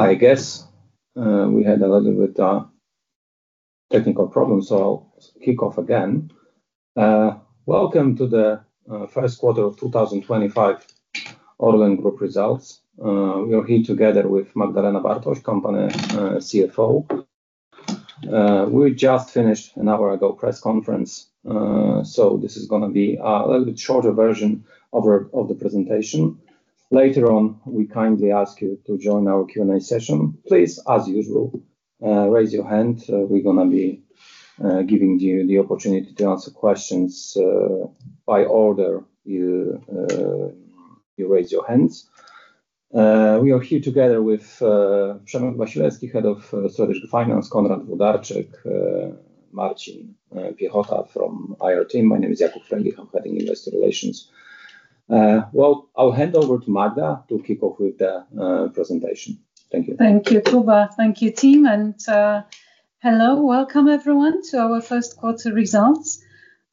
I guess, we had a little bit, technical problem, so I'll kick off again. Welcome to the first quarter of 2025 ORLEN Group results. We are here together with Magdalena Bartoś, company CFO. We just finished an hour ago press conference, so this is gonna be a little bit shorter version of our, of the presentation. Later on, we kindly ask you to join our Q&A session. Please, as usual, raise your hand. We're gonna be giving you the opportunity to answer questions, by order you, you raise your hands. We are here together with Przemek Wasilewski, Head of Strategic Finance, Konrad Włodarczyk, Marcin Piechota from IR team. My name is Jakub Frejlich, I'm heading Investor Relations. Well, I'll hand over to Magda to kick off with the presentation. Thank you. Thank you, Jakub. Thank you, team, and hello, welcome everyone to our first quarter results.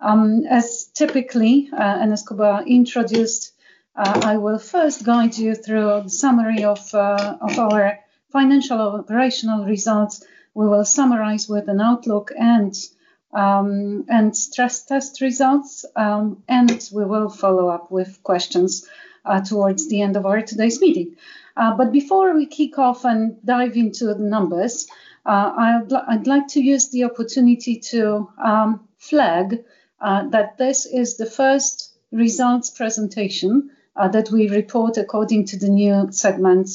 As typically, and as Jakub introduced, I will first guide you through a summary of of our financial operational results. We will summarize with an outlook and, and stress test results, and we will follow up with questions, towards the end of our today's meeting. But before we kick off and dive into the numbers, I'd like to use the opportunity to flag that this is the first results presentation that we report according to the new segment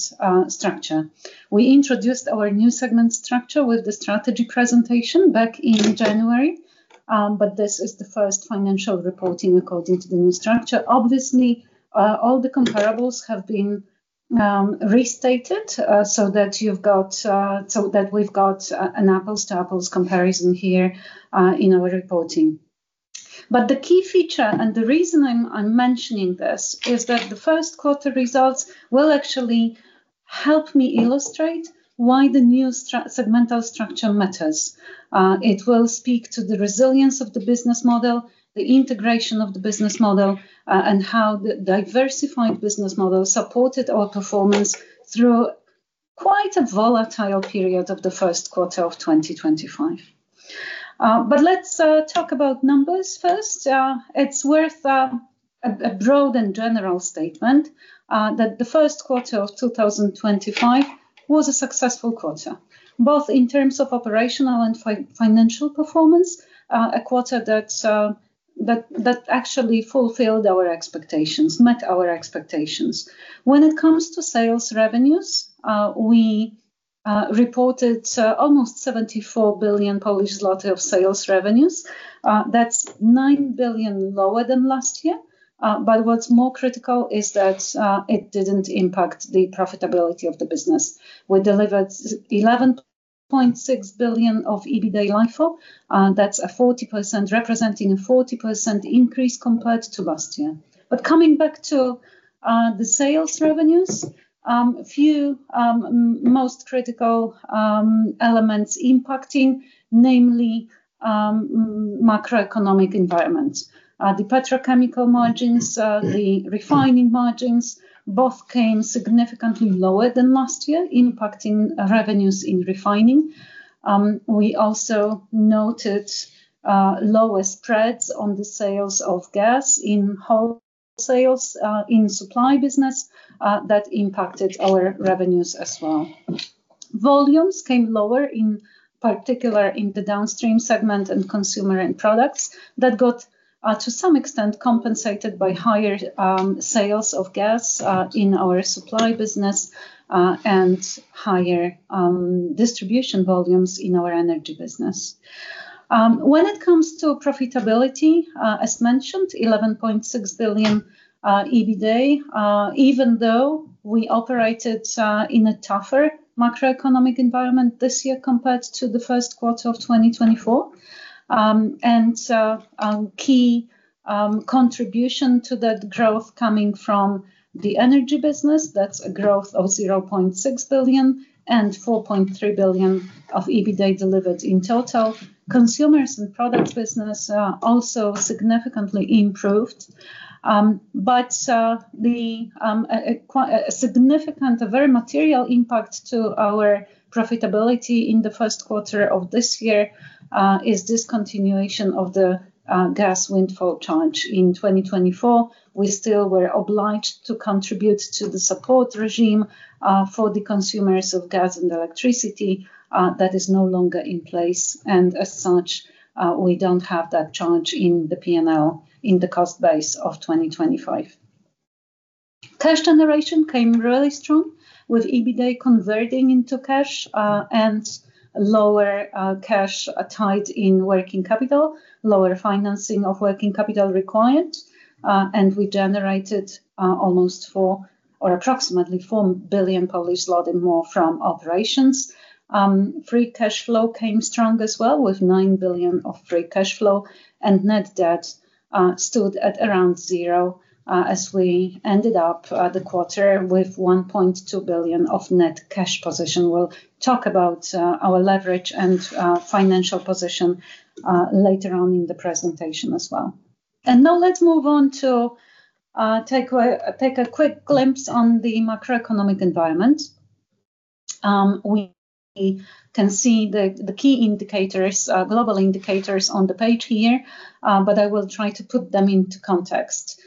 structure. We introduced our new segment structure with the strategy presentation back in January, but this is the first financial reporting according to the new structure. Obviously, all the comparables have been restated, so that you've got, so that we've got an apples-to-apples comparison here, in our reporting. But the key feature, and the reason I'm mentioning this, is that the first quarter results will actually help me illustrate why the new segmental structure matters. It will speak to the resilience of the business model, the integration of the business model, and how the diversified business model supported our performance through quite a volatile period of the first quarter of 2025. But let's talk about numbers first. It's worth a broad and general statement that the first quarter of 2025 was a successful quarter, both in terms of operational and financial performance, a quarter that actually fulfilled our expectations, met our expectations. When it comes to sales revenues, we reported almost 74 billion Polish zloty of sales revenues. That's 9 billion lower than last year, but what's more critical is that it didn't impact the profitability of the business. We delivered 11.6 billion of EBITDA LIFO, that's a 40%, representing a 40% increase compared to last year. But coming back to the sales revenues, a few most critical elements impacting, namely, macroeconomic environment. The petrochemical margins, the refining margins, both came significantly lower than last year, impacting revenues in refining. We also noted lower spreads on the sales of gas in wholesale, in supply business, that impacted our revenues as well. Volumes came lower, in particular in the Downstream segment and Consumer and Products, that got to some extent compensated by higher sales of gas in our supply business and higher distribution volumes in our Energy business. When it comes to profitability, as mentioned, 11.6 billion EBITDA, even though we operated in a tougher macroeconomic environment this year compared to the first quarter of 2024. Key contribution to that growth coming from the Energy business, that's a growth of 0.6 billion and 4.3 billion of EBITDA delivered in total. Consumers and Products business also significantly improved. But a significant, a very material impact to our profitability in the first quarter of this year is discontinuation of the gas windfall charge. In 2024, we still were obliged to contribute to the support regime for the consumers of gas and electricity. That is no longer in place, and as such, we don't have that charge in the P&L, in the cost base of 2025. Cash generation came really strong, with EBITDA converting into cash, and lower cash tied in working capital, lower financing of working capital required, and we generated almost 4 billion or approximately 4 billion more from operations. Free cash flow came strong as well, with 9 billion of free cash flow, and net debt stood at around zero, as we ended up the quarter with 1.2 billion of net cash position. We'll talk about our leverage and financial position later on in the presentation as well... Now let's move on to take a quick glimpse on the macroeconomic environment. We can see the key indicators, global indicators on the page here, but I will try to put them into context.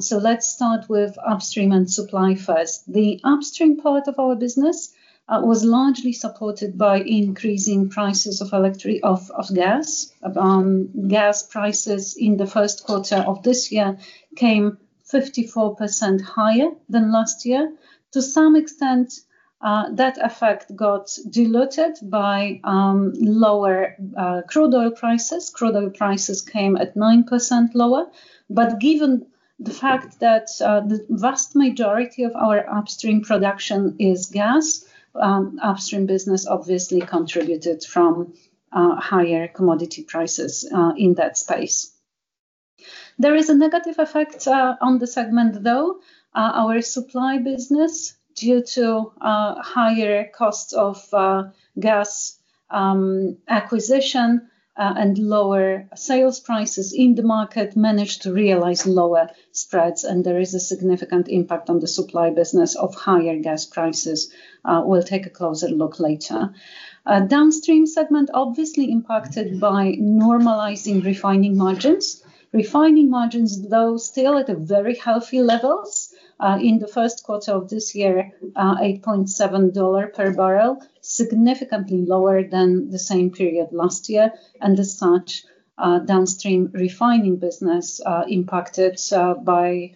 So let's start with Upstream and Supply first. The upstream part of our business was largely supported by increasing prices of gas. Gas prices in the first quarter of this year came 54% higher than last year. To some extent, that effect got diluted by lower crude oil prices. Crude oil prices came at 9% lower. But given the fact that the vast majority of our upstream production is gas, upstream business obviously contributed from higher commodity prices in that space. There is a negative effect on the segment, though. Our supply business, due to higher costs of gas acquisition and lower sales prices in the market, managed to realize lower spreads, and there is a significant impact on the supply business of higher gas prices. We'll take a closer look later. Downstream segment obviously impacted by normalizing refining margins. Refining margins, though, still at a very healthy levels. In the first quarter of this year, $8.7 per barrel, significantly lower than the same period last year. And as such, Downstream refining business impacted by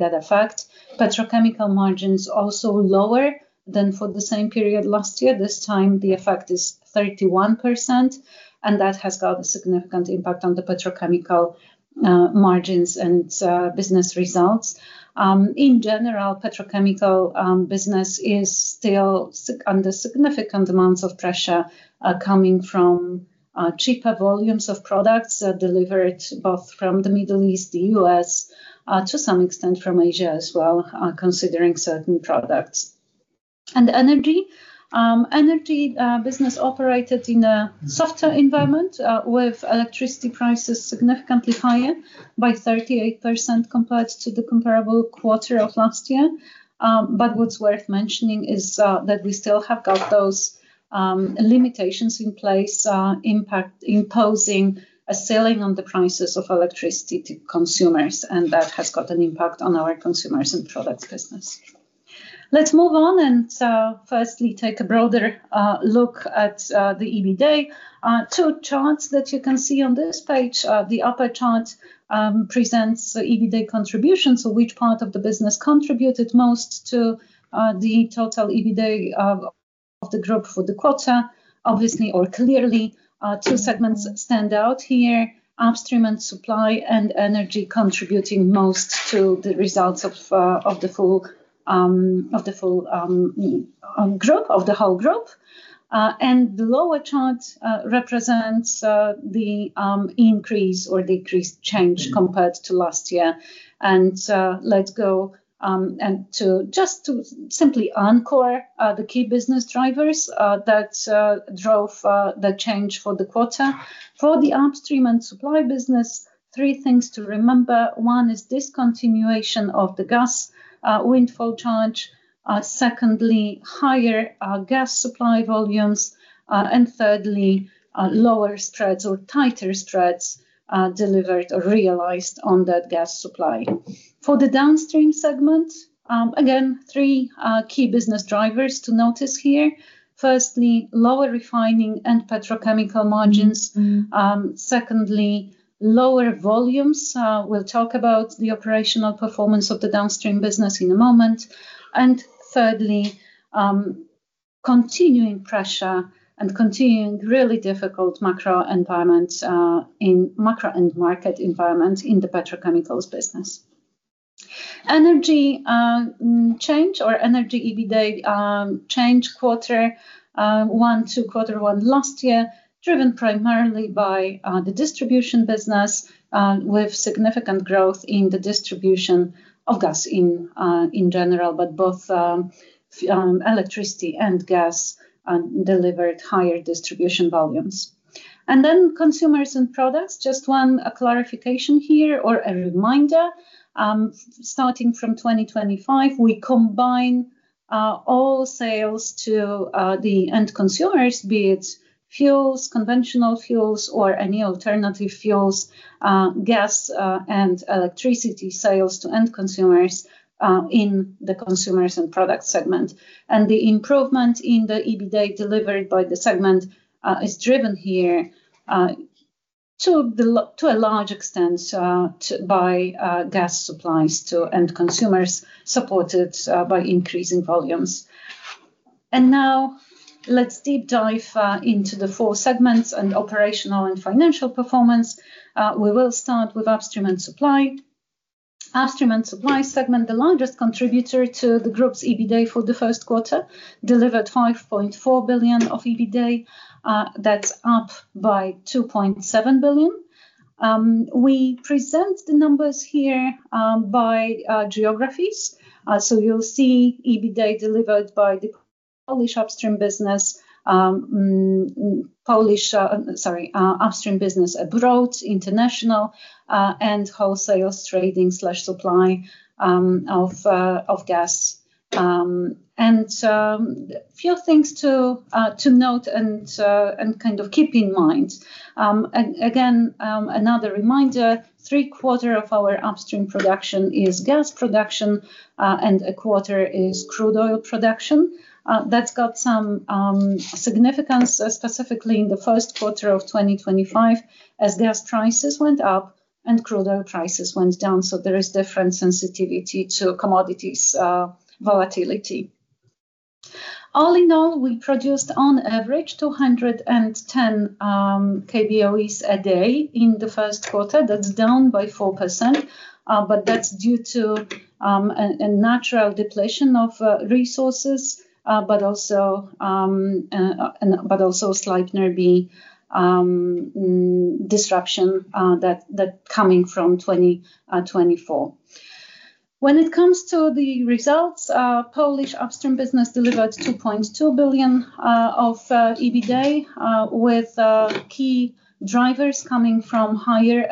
that effect. Petrochemical margins also lower than for the same period last year. This time, the effect is 31%, and that has got a significant impact on the petrochemical margins and business results. In general, petrochemical business is still under significant amounts of pressure coming from cheaper volumes of products delivered of from the Middle East, the U.S, to some extent from Asia as well, considering certain products. Energy business operated in a softer environment with electricity prices significantly higher by 38% compared to the comparable quarter of last year. But what's worth mentioning is that we still have got those limitations in place imposing a ceiling on the prices of electricity to consumers, and that has got an impact on our Consumers and Products business. Let's move on, and firstly, take a broader look at the EBITDA. Two charts that you can see on this page. The upper chart presents the EBITDA contribution, so which part of the business contributed most to the total EBITDA of the group for the quarter. Obviously, or clearly, two segments stand out here: Upstream and Supply, and Energy contributing most to the results of the full group, of the whole group. The lower chart represents the increase or decrease change compared to last year. Let's go and to just simply anchor the key business drivers that drove the change for the quarter. For the Upstream and Supply business, three things to remember: One is discontinuation of the gas windfall charge. Secondly, higher gas supply volumes. And thirdly, lower spreads or tighter spreads delivered or realized on that gas supply. For the Downstream segment, again, three key business drivers to notice here. Firstly, lower refining and petrochemical margins. Secondly, lower volumes. We'll talk about the operational performance of the Downstream business in a moment. And thirdly, continuing pressure and continuing really difficult macro environments in macro end market environment in the petrochemicals business. Energy change or Energy EBITDA change quarter one to quarter one last year, driven primarily by the distribution business with significant growth in the distribution of gas in general, but both electricity and gas delivered higher distribution volumes. And then Consumers and Products, just one clarification here or a reminder. Starting from 2025, we combine all sales to the end consumers, be it fuels, conventional fuels, or any alternative fuels, gas, and electricity sales to end consumers in the Consumers and Product segment. The improvement in the EBITDA delivered by the segment is driven here to a large extent by gas supplies to end consumers, supported by increasing volumes. Now, let's deep dive into the four segments and operational and financial performance. We will start with Upstream and Supply. Upstream and Supply segment, the largest contributor to the group's EBITDA for the first quarter, delivered 5.4 billion of EBITDA. That's up by 2.7 billion. We present the numbers here by geographies. So you'll see EBITDA delivered by the Polish Upstream business, Polish Upstream business abroad, international, and wholesale trading/supply of gas. And few things to note and kind of keep in mind. Again, another reminder, three-quarters of our Upstream production is gas production, and a quarter is crude oil production. That's got some significance, specifically in the first quarter of 2025 as gas prices went up and crude oil prices went down, so there is different sensitivity to commodities volatility. All in all, we produced on average 210 kboe's a day in the first quarter. That's down by 4%, but that's due to a natural depletion of resources, but also slight near-the disruption that coming from 2024. When it comes to the results, Polish Upstream business delivered 2.2 billion of EBITDA, with key drivers coming from higher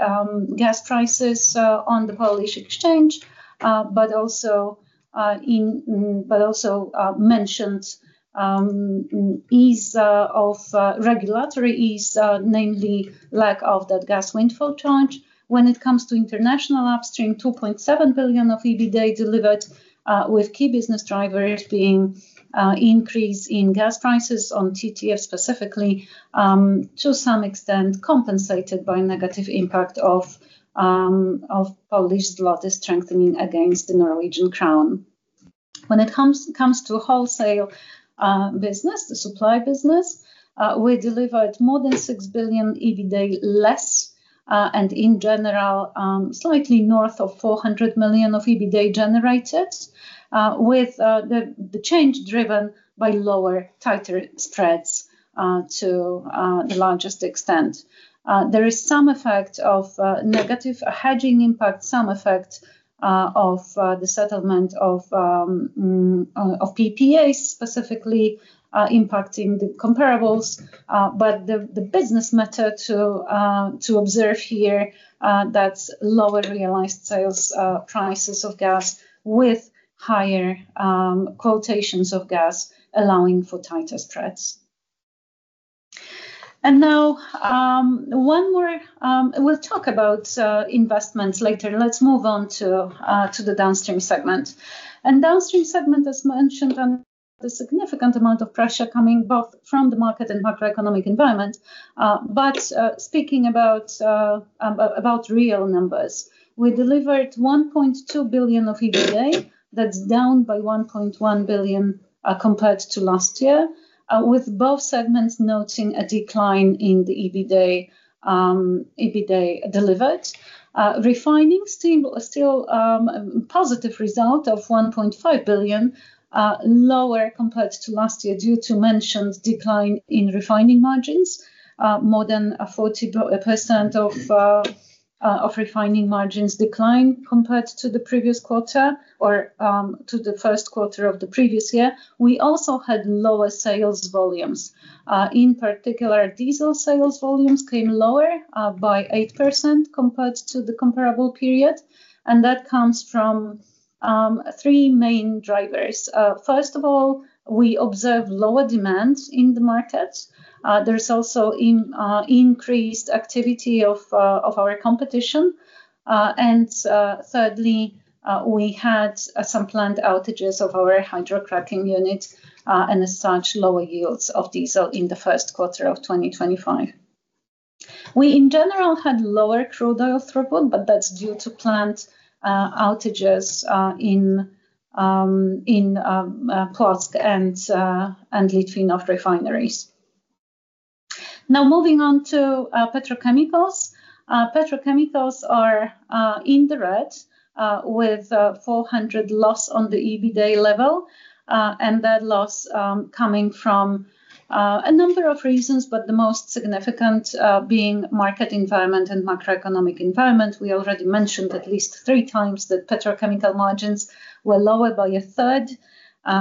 gas prices on the Polish exchange, but also mentioned ease of regulatory ease, namely lack of that gas windfall charge. When it comes to international Upstream, 2.7 billion of EBITDA delivered, with key business drivers being increase in gas prices on TTF specifically, to some extent compensated by negative impact of Polish zloty strengthening against the Norwegian crown. When it comes to wholesale business, the supply business, we delivered more than 6 billion EBITDA less, and in general, slightly north of 400 million of EBITDA generated. With the change driven by lower, tighter spreads to the largest extent. There is some effect of negative hedging impact, some effect of the settlement of PPAs specifically impacting the comparables. But the business matter to observe here, that's lower realized sales prices of gas with higher quotations of gas, allowing for tighter spreads. And now, one more... We'll talk about investments later. Let's move on to the Downstream segment. Downstream segment, as mentioned, the significant amount of pressure coming both from the market and macroeconomic environment. But speaking about real numbers, we delivered 1.2 billion of EBITDA. That's down by 1.1 billion, compared to last year, with both segments noting a decline in the EBITDA, EBITDA delivered. Refining segment but still, a positive result of 1.5 billion, lower compared to last year, due to mentioned decline in refining margins. More than 40% of refining margins declined compared to the previous quarter or to the first quarter of the previous year. We also had lower sales volumes. In particular, diesel sales volumes came lower by 8% compared to the comparable period, and that comes from three main drivers. First of all, we observed lower demand in the markets. There is also increased activity of our competition. And, thirdly, we had some planned outages of our hydrocracking unit, and as such, lower yields of diesel in the first quarter of 2025. We, in general, had lower crude oil throughput, but that's due to plant outages in Płock and Litvínov refineries. Now, moving on to petrochemicals. Petrochemicals are in the red with 400 loss on the EBITDA level, and that loss coming from a number of reasons, but the most significant being market environment and macroeconomic environment. We already mentioned at least three times that petrochemical margins were lower by a third,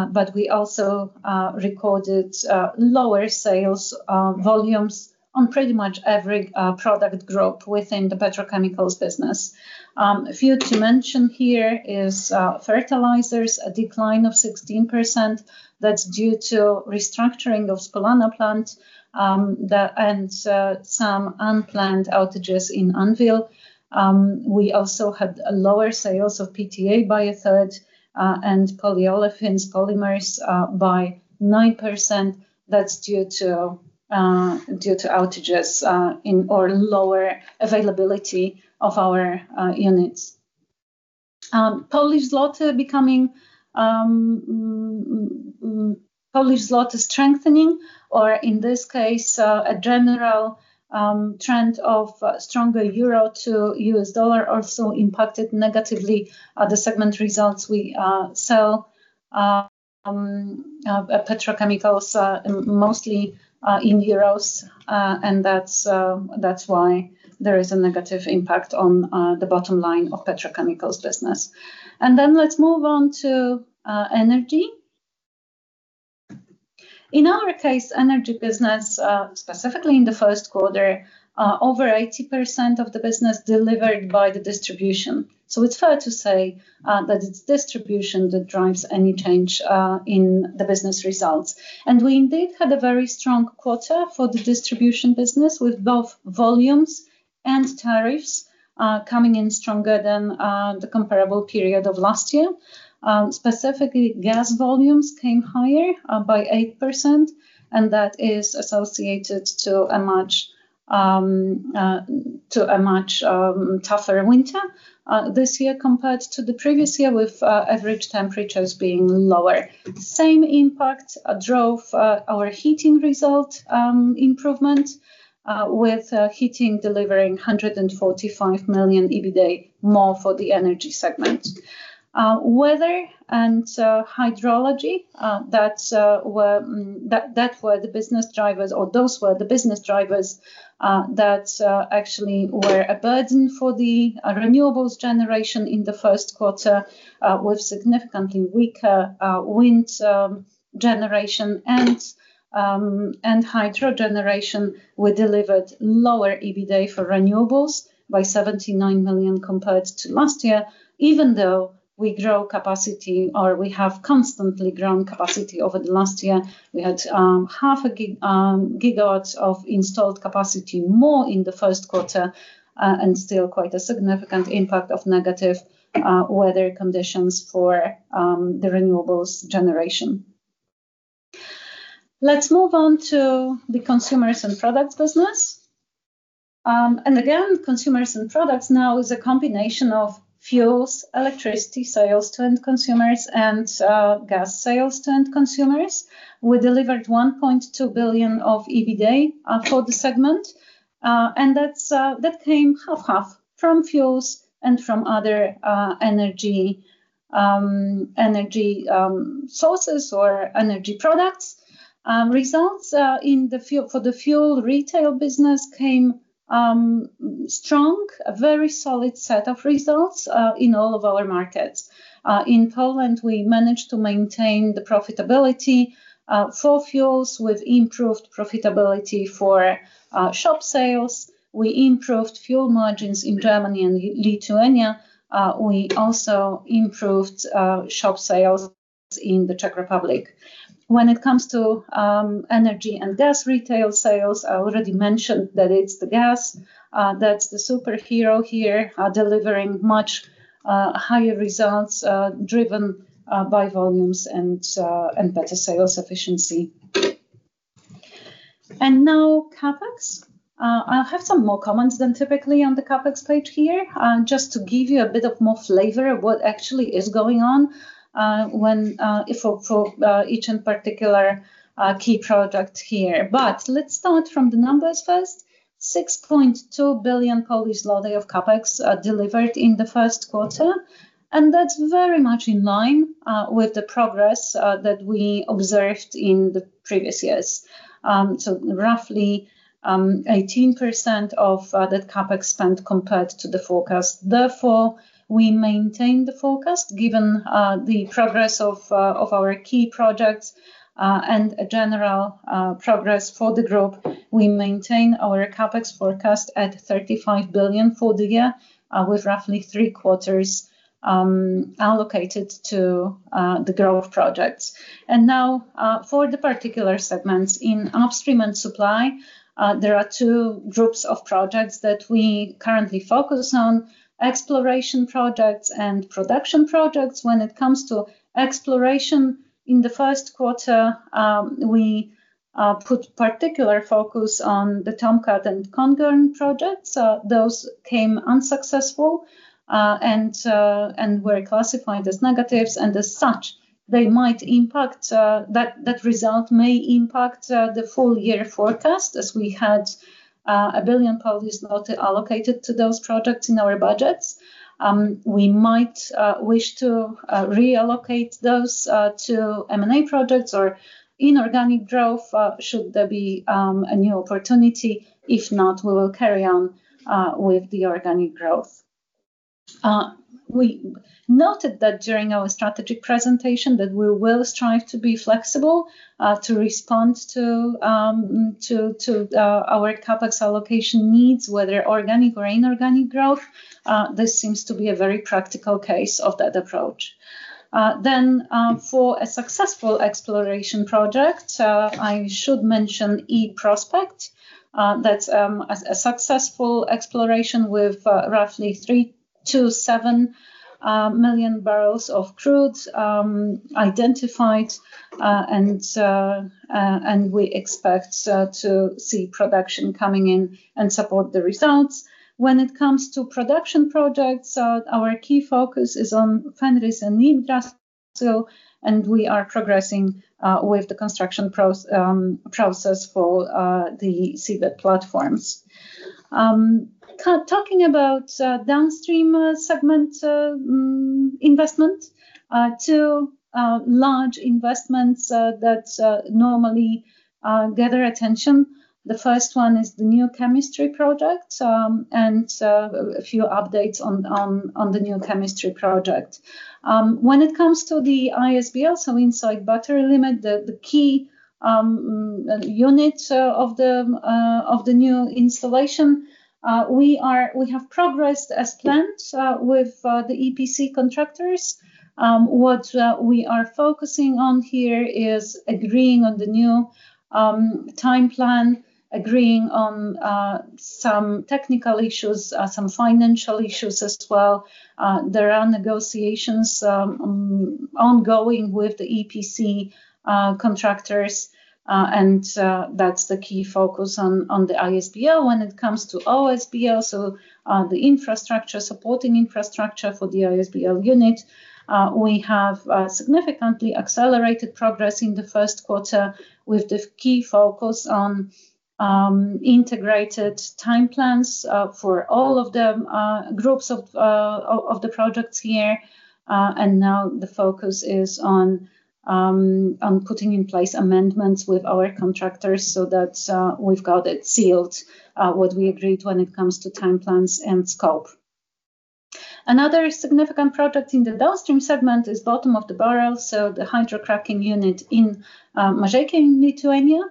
but we also recorded lower sales volumes on pretty much every product group within the petrochemicals business. A few to mention here is fertilizers, a decline of 16%. That's due to restructuring of Spolana plant, and some unplanned outages in Anwil. We also had lower sales of PTA by a third, and polyolefins, polymers, by 9%. That's due to due to outages in or lower availability of our units. Polish zloty becoming Polish zloty strengthening, or in this case a general trend of stronger euro to US dollar also impacted negatively the segment results. We sell petrochemicals mostly in euros, and that's that's why there is a negative impact on the bottom line of petrochemicals business. And then let's move on to Energy. In our case, Energy business, specifically in the first quarter, over 80% of the business delivered by the distribution. So it's fair to say that it's distribution that drives any change in the business results. And we indeed had a very strong quarter for the distribution business, with both volumes and tariffs coming in stronger than the comparable period of last year. Specifically, gas volumes came higher by 8%, and that is associated to a much tougher winter this year compared to the previous year, with average temperatures being lower. Same impact drove our heating result improvement, with heating delivering 145 million EBITDA more for the Energy segment. Weather and hydrology that were the business drivers or those were the business drivers that actually were a burden for the renewables generation in the first quarter with significantly weaker wind generation. And hydro generation, we delivered lower EBITDA for renewables by 79 million compared to last year, even though we grow capacity or we have constantly grown capacity over the last year. We had 0.5 gigawatts of installed capacity more in the first quarter, and still quite a significant impact of negative weather conditions for the renewables generation. Let's move on to the Consumers and Products business. And again, Consumers and Products now is a combination of fuels, electricity sales to end consumers, and gas sales to end consumers. We delivered 1.2 billion of EBITDA for the segment, and that's that came half half from fuels and from other Energy sources or Energy products. Results for the fuel retail business came strong, a very solid set of results in all of our markets. In Poland, we managed to maintain the profitability for fuels, with improved profitability for shop sales. We improved fuel margins in Germany and Lithuania. We also improved shop sales in the Czech Republic. When it comes to Energy and gas retail sales, I already mentioned that it's the gas that's the superhero here delivering much higher results driven by volumes and better sales efficiency. And now CapEx. I have some more comments than typically on the CapEx page here, just to give you a bit of more flavor of what actually is going on, when, if for, for, each in particular, key project here. But let's start from the numbers first. 6.2 billion Polish zloty of CapEx, delivered in the first quarter, and that's very much in line, with the progress, that we observed in the previous years. So roughly, 18% of, that CapEx spent compared to the forecast. Therefore, we maintain the forecast. Given, the progress of, of our key projects, and a general, progress for the group, we maintain our CapEx forecast at 35 billion for the year, with roughly three quarters, allocated to, the growth projects. Now, for the particular segments. In Upstream and Supply, there are two groups of projects that we currently focus on, exploration projects and production projects. When it comes to exploration, in the first quarter, we put particular focus on the Tomcat and Kongeørn projects. Those came unsuccessful, and were classified as negatives. And as such, they might impact, that result may impact, the full year forecast, as we had PLN 1 billion allocated to those projects in our budgets. We might wish to reallocate those to M&A projects or inorganic growth, should there be a new opportunity. If not, we will carry on with the organic growth. We noted that during our strategic presentation, that we will strive to be flexible, to respond to our CapEx allocation needs, whether organic or inorganic growth. This seems to be a very practical case of that approach. Then, for a successful exploration project, I should mention E-Prospect. That's a successful exploration with roughly 3-7 million barrels of crude identified. And we expect to see production coming in and support the results. When it comes to production projects, our key focus is on Fenris and Midgard also, and we are progressing with the construction process for the seabed platforms. Talking about Downstream segment investment, two large investments that normally gather attention. The first one is the New Chemistry project, and a few updates on the New Chemistry project. When it comes to the ISBL, so inside battery limit, the key units of the new installation. We have progressed as planned with the EPC contractors. What we are focusing on here is agreeing on the new time plan, agreeing on some technical issues, some financial issues as well. There are negotiations ongoing with the EPC contractors, and that's the key focus on the ISBL. When it comes to OSBL, the infrastructure, supporting infrastructure for the ISBL unit, we have significantly accelerated progress in the first quarter with the key focus on integrated time plans for all of the projects here. And now the focus is on putting in place amendments with our contractors so that we've got it sealed what we agreed when it comes to time plans and scope. Another significant project in the Downstream segment is Bottom of the Barrel, so the hydrocracking unit in Mažeikiai, Lithuania.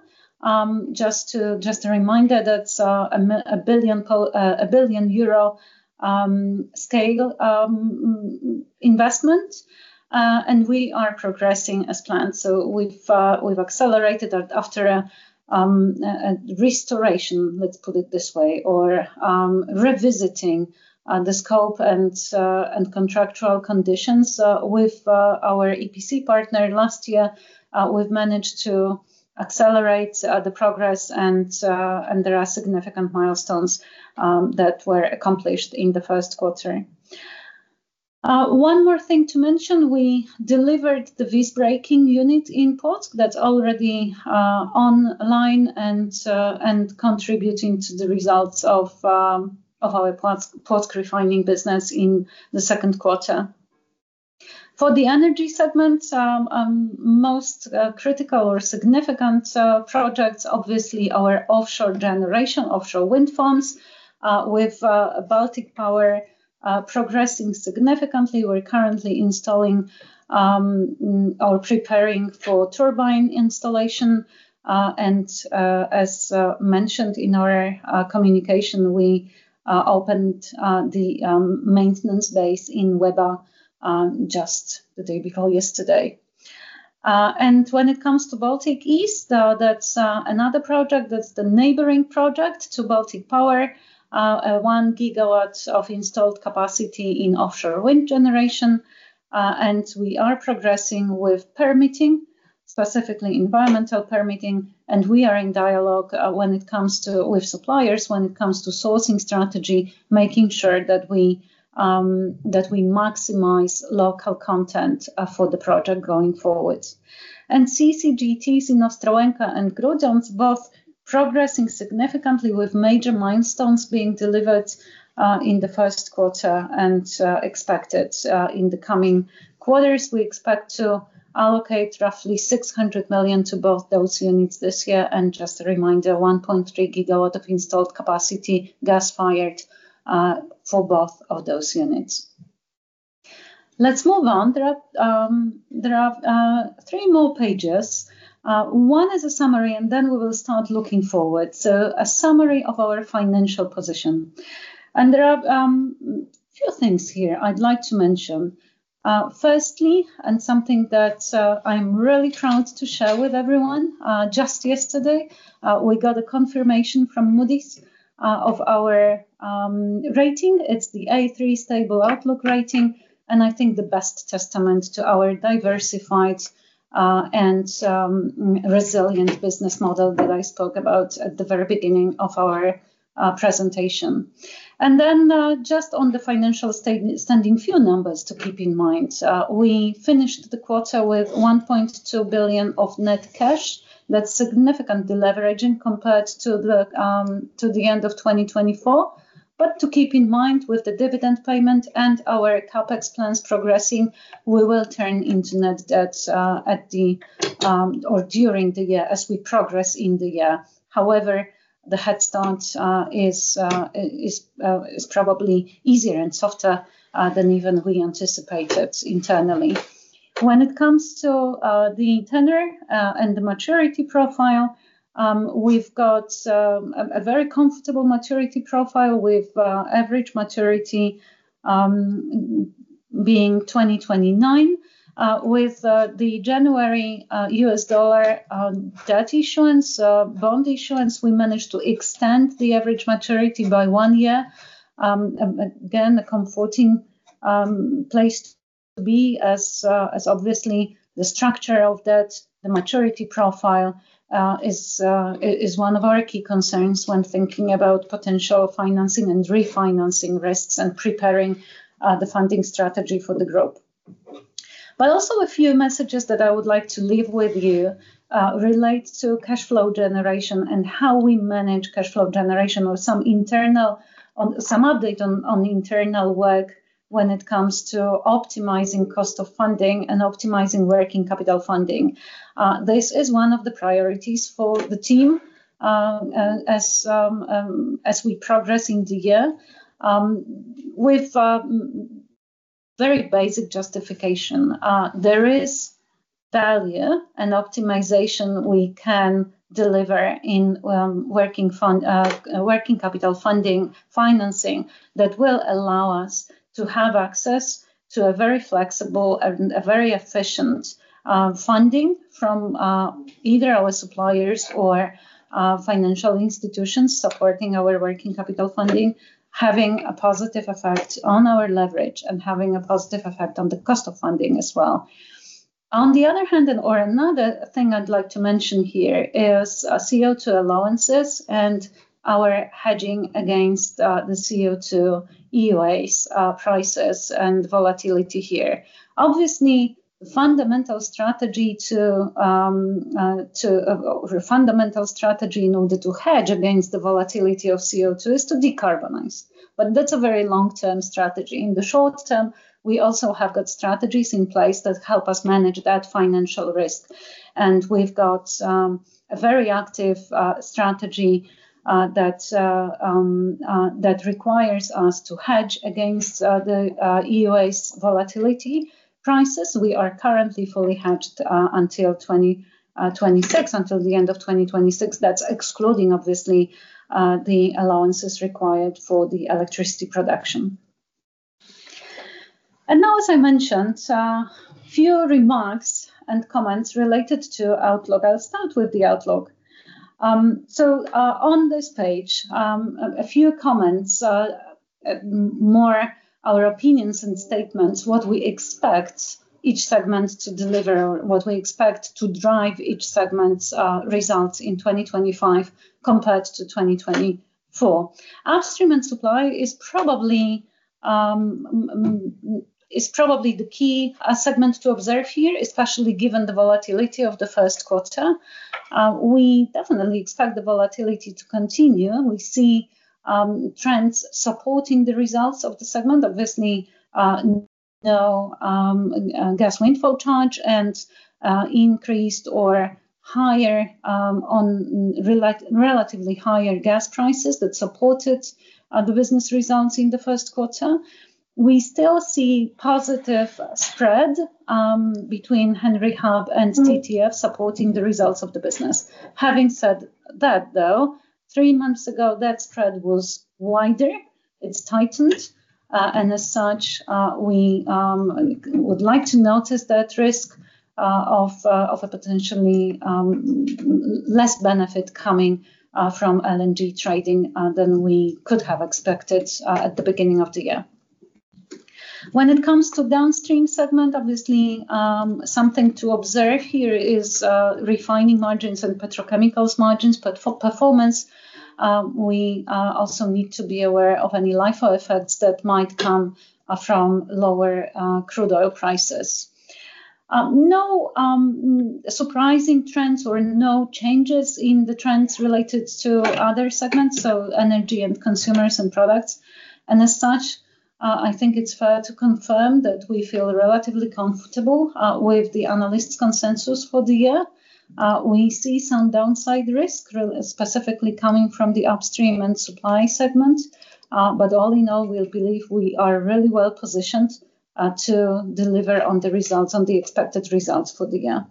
Just a reminder, that's a 1 billion scale investment, and we are progressing as planned. So we've accelerated it after a restoration, let's put it this way, or revisiting the scope and contractual conditions with our EPC partner last year. We've managed to accelerate the progress and there are significant milestones that were accomplished in the first quarter. One more thing to mention, we delivered the visbreaking unit in Płock. That's already online and contributing to the results of our Płock refining business in the second quarter. For the Energy segment, most critical or significant projects, obviously our offshore generation, offshore wind farms, with Baltic Power progressing significantly. We're currently installing or preparing for turbine installation. And, as mentioned in our communication, we opened the maintenance base in Łeba just the day before yesterday. And when it comes to Baltic East, that's another project, that's the neighboring project to Baltic Power. 1 GW of installed capacity in offshore wind generation, and we are progressing with permitting, specifically environmental permitting, and we are in dialogue when it comes to with suppliers, when it comes to sourcing strategy, making sure that we that we maximize local content for the project going forward. And CCGTs in Ostrołęka and Grudziądz, both progressing significantly with major milestones being delivered in the first quarter and expected in the coming quarters. We expect to allocate roughly 600 million to both those units this year, and just a reminder, 1.3 GW of installed capacity, gas-fired, for both of those units. Let's move on. There are three more pages. One is a summary, and then we will start looking forward. So a summary of our financial position, and there are few things here I'd like to mention. Firstly, and something that, I'm really proud to share with everyone, just yesterday, we got a confirmation from Moody's, of our, rating. It's the A3 Stable Outlook rating, and I think the best testament to our diversified, and, resilient business model that I spoke about at the very beginning of our, presentation. And then, just on the financial standing, a few numbers to keep in mind. We finished the quarter with 1.2 billion of net cash. That's significant deleveraging compared to the end of 2024. But to keep in mind, with the dividend payment and our CapEx plans progressing, we will turn into net debts or during the year, as we progress in the year. However, the head start is probably easier and softer than even we anticipated internally. When it comes to the tenor and the maturity profile, we've got a very comfortable maturity profile with average maturity being 2029. With the January US dollar debt issuance bond issuance, we managed to extend the average maturity by one year. Again, a comforting place to be as, as obviously the structure of debt, the maturity profile, is one of our key concerns when thinking about potential financing and refinancing risks and preparing the funding strategy for the group. But also a few messages that I would like to leave with you relate to cash flow generation and how we manage cash flow generation, or some update on internal work when it comes to optimizing cost of funding and optimizing working capital funding. This is one of the priorities for the team, as we progress in the year. With very basic justification. There is value and optimization we can deliver in, working fund, working capital funding, financing, that will allow us to have access to a very flexible and a very efficient, funding from, either our suppliers or, financial institutions supporting our working capital funding, having a positive effect on our leverage and having a positive effect on the cost of funding as well. On the other hand, and or another thing I'd like to mention here is, CO2 allowances and our hedging against, the CO2 EUAs, prices and volatility here. Obviously, fundamental strategy to, to, fundamental strategy in order to hedge against the volatility of CO2 is to decarbonize, but that's a very long-term strategy. In the short term, we also have got strategies in place that help us manage that financial risk, and we've got a very active strategy that requires us to hedge against the EUA volatility prices. We are currently fully hedged until 2026, until the end of 2026. That's excluding, obviously, the allowances required for the electricity production. And now, as I mentioned, few remarks and comments related to outlook. I'll start with the outlook. So, on this page, a few comments, more our opinions and statements, what we expect each segment to deliver, what we expect to drive each segment's results in 2025 compared to 2024. Upstream and Supply is probably the key segment to observe here, especially given the volatility of the first quarter. We definitely expect the volatility to continue. We see trends supporting the results of the segment. Obviously no gas windfall charge and relatively higher gas prices that supported the business results in the first quarter. We still see positive spread between Henry Hub and TTF supporting the results of the business. Having said that, though, three months ago, that spread was wider. It's tightened and as such we would like to notice that risk of a potentially less benefit coming from LNG trading than we could have expected at the beginning of the year. When it comes to Downstream segment, obviously, something to observe here is, refining margins and petrochemicals margins. But for performance, we also need to be aware of any LIFO effects that might come, from lower, crude oil prices. No surprising trends or no changes in the trends related to other segments, so Energy and Consumers and Products. And as such, I think it's fair to confirm that we feel relatively comfortable, with the analysts' consensus for the year. We see some downside risk, specifically coming from the Upstream and Supply segment. But all in all, we believe we are really well positioned, to deliver on the results, on the expected results for the year.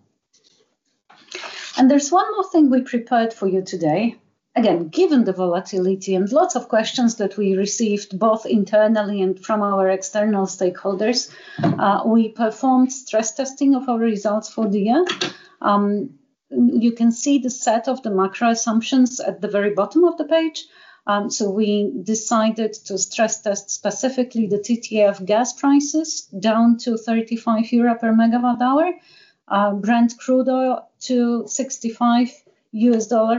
And there's one more thing we prepared for you today. Again, given the volatility and lots of questions that we received, both internally and from our external stakeholders, we performed stress testing of our results for the year. You can see the set of the macro assumptions at the very bottom of the page. So we decided to stress test specifically the TTF gas prices down to 35 euro per megawatt hour, Brent Crude oil to $65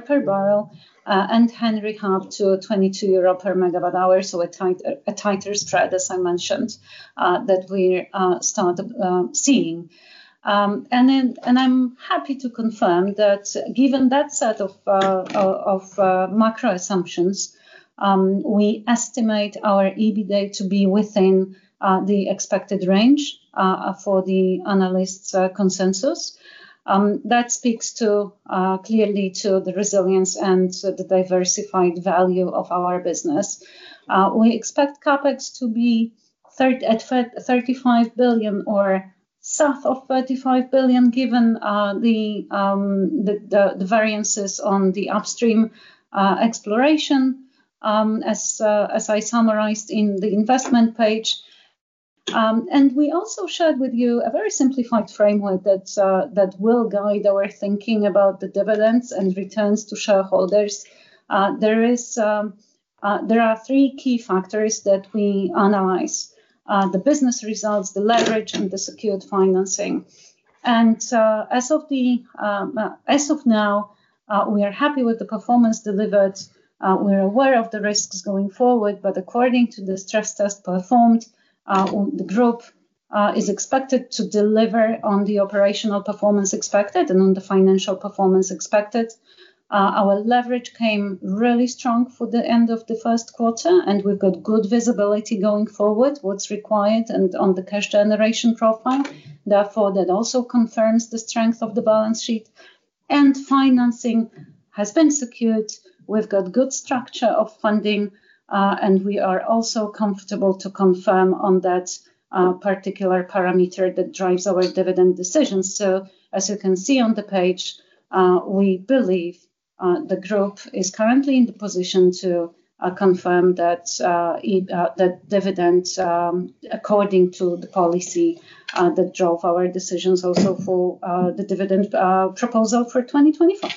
per barrel, and Henry Hub to 22 euro per megawatt hour, so a tighter spread, as I mentioned, that we started seeing. And then, and I'm happy to confirm that given that set of macro assumptions, we estimate our EBITDA to be within the expected range for the analysts' consensus. That speaks to clearly to the resilience and to the diversified value of our business. We expect CapEx to be 35 billion or south of 35 billion, given the variances on the upstream exploration as I summarized in the investment page. And we also shared with you a very simplified framework that will guide our thinking about the dividends and returns to shareholders. There are three key factors that we analyze: the business results, the leverage, and the secured financing. And as of now, we are happy with the performance delivered. We're aware of the risks going forward, but according to the stress test performed, the group is expected to deliver on the operational performance expected and on the financial performance expected. Our leverage came really strong for the end of the first quarter, and we've got good visibility going forward on what's required, and on the cash generation profile. Therefore, that also confirms the strength of the balance sheet and financing has been secured. We've got good structure of funding, and we are also comfortable to confirm on that particular parameter that drives our dividend decisions. So as you can see on the page, we believe the group is currently in the position to confirm that dividend according to the policy that drove our decisions also for the dividend proposal for 2025.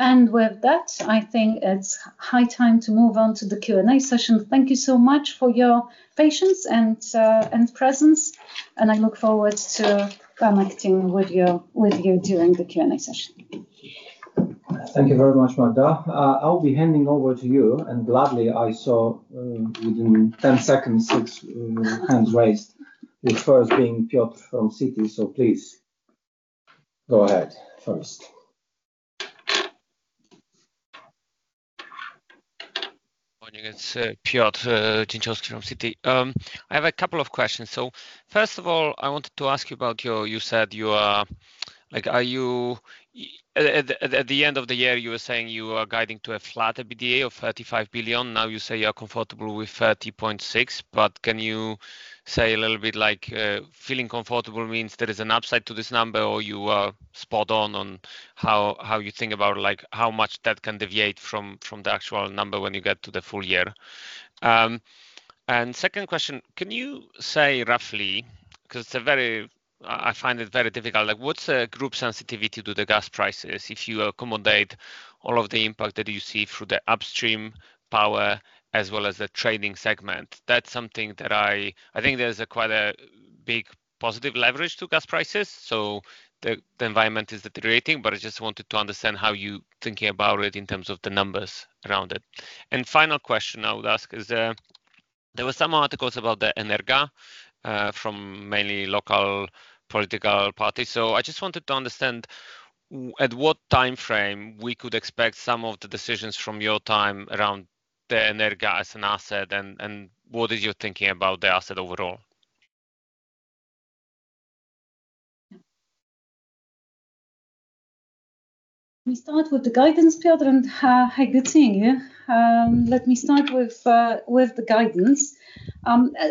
With that, I think it's high time to move on to the Q&A session. Thank you so much for your patience and, and presence, and I look forward to connecting with you, with you during the Q&A session. Thank you very much, Magda. I'll be handing over to you, and gladly, I saw, within 10 seconds, six hands raised, the first being Piotr from Citi. So please, go ahead first. Morning, it's Piotr Dzieciołowski from Citi. I have a couple of questions. So first of all, I wanted to ask you about your... You said you are, like, at the end of the year, you were saying you are guiding to a flat EBITDA of 35 billion. Now you say you are comfortable with 30.6 billion, but can you say a little bit like, feeling comfortable means there is an upside to this number, or you are spot on on how you think about, like, how much that can deviate from the actual number when you get to the full year? And second question: can you say roughly, 'cause it's a very... I find it very difficult, like, what's the group sensitivity to the gas prices if you accommodate all of the impact that you see through the upstream power as well as the trading segment? That's something that I think there's a quite a big positive leverage to gas prices, so the environment is deteriorating, but I just wanted to understand how you thinking about it in terms of the numbers around it. Final question I would ask is, there were some articles about the Energa from mainly local political parties. So I just wanted to understand at what time frame we could expect some of the decisions from your time around the Energa as an asset and what is your thinking about the asset overall? Let me start with the guidance, Piotr, and hi, good seeing you. Let me start with the guidance.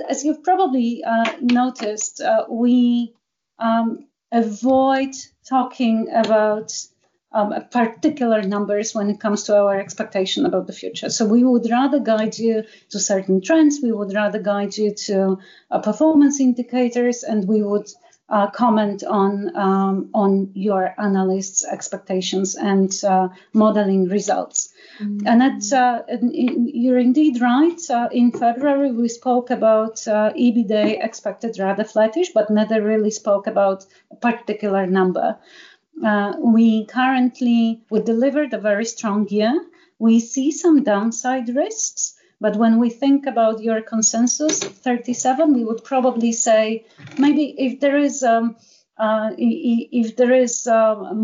As you've probably noticed, we avoid talking about particular numbers when it comes to our expectation about the future. So we would rather guide you to certain trends, we would rather guide you to performance indicators, and we would comment on your analysts' expectations and modeling results. And that's, and you're indeed right. In February, we spoke about EBITDA expected rather flattish, but never really spoke about a particular number. We currently, we delivered a very strong year. We see some downside risks, but when we think about your consensus of 37, we would probably say maybe if there is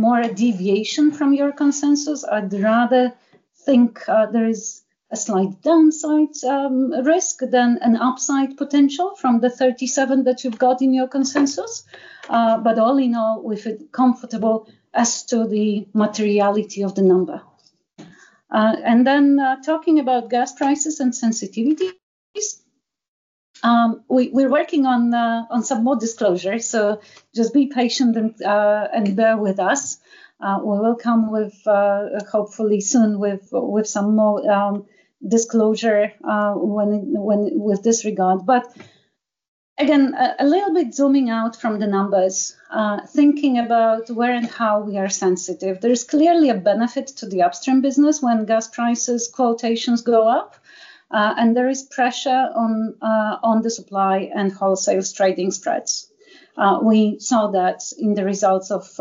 more a deviation from your consensus, I'd rather think there is a slight downside risk than an upside potential from the 37 that you've got in your consensus. But all in all, we feel comfortable as to the materiality of the number. And then, talking about gas prices and sensitivities, we're working on some more disclosure, so just be patient and bear with us. We will come with, hopefully soon, with some more disclosure when with this regard. But again, a little bit zooming out from the numbers, thinking about where and how we are sensitive, there is clearly a benefit to the upstream business when gas prices quotations go up, and there is pressure on the supply and wholesales trading spreads. We saw that in the results of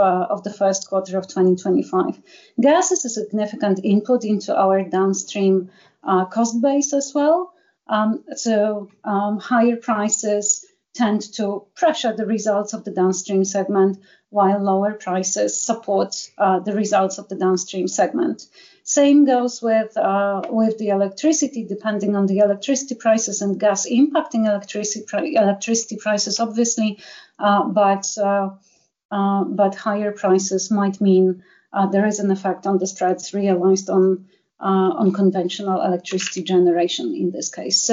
the first quarter of 2025. Gas is a significant input into our Downstream cost base as well. So, higher prices tend to pressure the results of the Downstream segment, while lower prices support the results of the Downstream segment. Same goes with the electricity, depending on the electricity prices and gas impacting electricity prices, obviously, but higher prices might mean there is an effect on the spreads realized on conventional electricity generation in this case.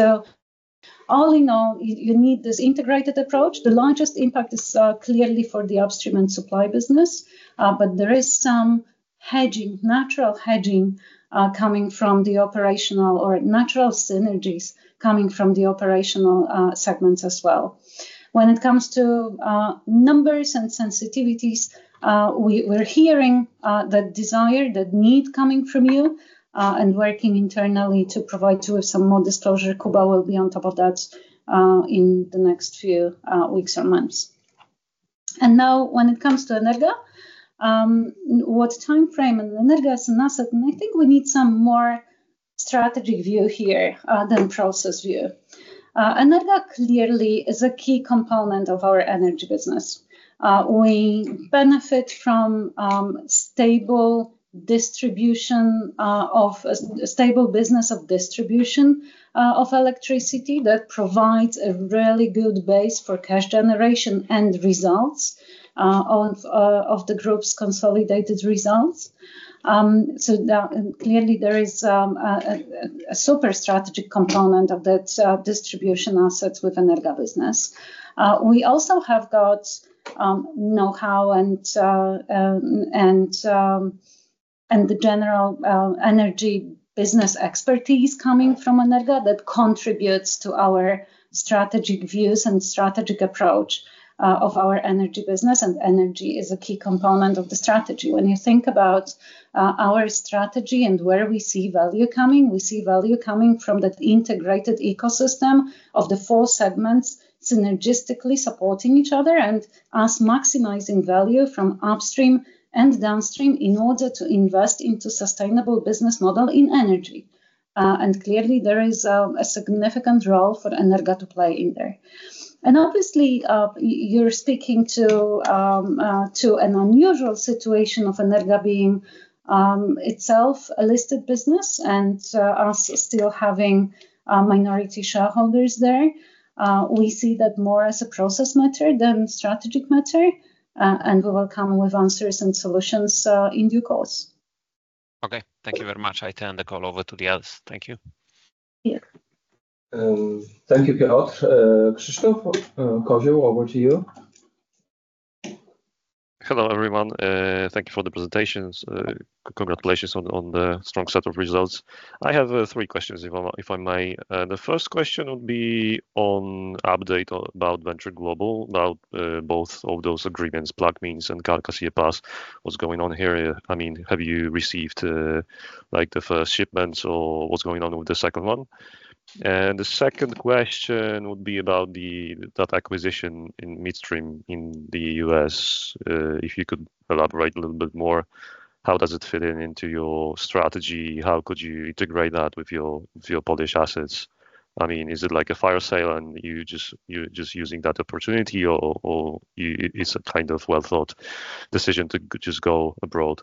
So all in all, you need this integrated approach. The largest impact is clearly for the Upstream and Supply business, but there is some hedging, natural hedging, coming from the operational or natural synergies coming from the operational segments as well. When it comes to numbers and sensitivities, we're hearing the desire, the need coming from you, and working internally to provide you with some more disclosure. Kuba will be on top of that in the next few weeks or months. And now, when it comes to Energa, what time frame? And Energa is an asset, and I think we need some more strategic view here than process view. Energa clearly is a key component of our Energy business. We benefit from stable distribution of a stable business of distribution of electricity that provides a really good base for cash generation and results of the group's consolidated results. So now, and clearly there is a super strategic component of that distribution assets with Energa business. We also have got know-how and the general Energy business expertise coming from Energa that contributes to our strategic views and strategic approach of our Energy business, and Energy is a key component of the strategy. When you think about our strategy and where we see value coming, we see value coming from that integrated ecosystem of the four segments, synergistically supporting each other and us maximizing value from upstream and downstream in order to invest into sustainable business model in Energy. And clearly, there is a significant role for Energa to play in there. And obviously, you're speaking to an unusual situation of Energa being itself a listed business, and us still having minority shareholders there. We see that more as a process matter than strategic matter, and we will come with answers and solutions in due course. Okay, thank you very much. I turn the call over to the others. Thank you. Yeah. Thank you, Piotr. Krzysztof Kozieł, over to you. Hello, everyone. Thank you for the presentations. Congratulations on the strong set of results. I have three questions, if I may. The first question would be on update about Venture Global, about both of those agreements, Plaquemines and Calcasieu Pass. What's going on here? I mean, have you received, like, the first shipments, or what's going on with the second one? And the second question would be about that acquisition in midstream in the U.S. If you could elaborate a little bit more, how does it fit into your strategy? How could you integrate that with your Polish assets? I mean, is it like a fire sale, and you just, you're just using that opportunity or, or, you... It's a kind of well-thought decision to just go abroad,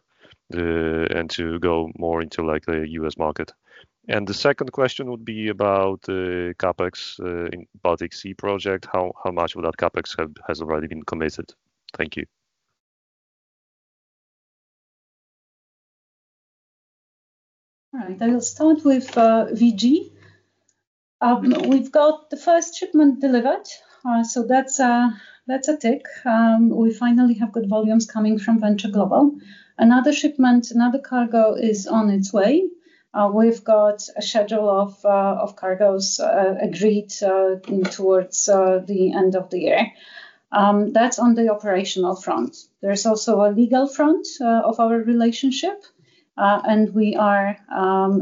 and to go more into, like, the U.S. market. The second question would be about CapEx in Baltic Sea project. How much of that CapEx has already been committed? Thank you. All right, I'll start with VG. We've got the first shipment delivered, so that's a tick. We finally have good volumes coming from Venture Global. Another shipment, another cargo is on its way. We've got a schedule of cargoes agreed towards the end of the year. That's on the operational front. There's also a legal front of our relationship, and we are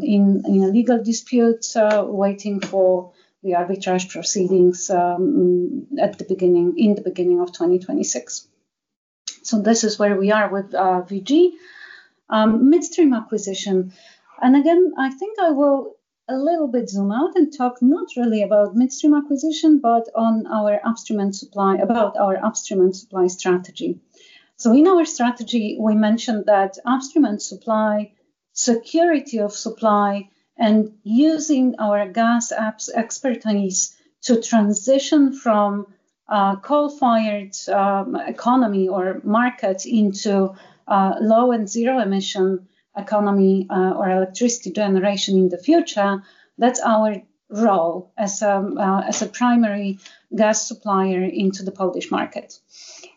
in a legal dispute waiting for the arbitration proceedings at the beginning of 2026. So this is where we are with VG. Midstream acquisition, and again, I think I will a little bit zoom out and talk not really about midstream acquisition, but about our Upstream and Supply strategy. So in our strategy, we mentioned that Upstream and Supply, Security of Supply, and using our gas assets expertise to transition from, coal-fired, economy or market into, low and zero-emission economy, or electricity generation in the future, that's our role as a, as a primary gas supplier into the Polish market.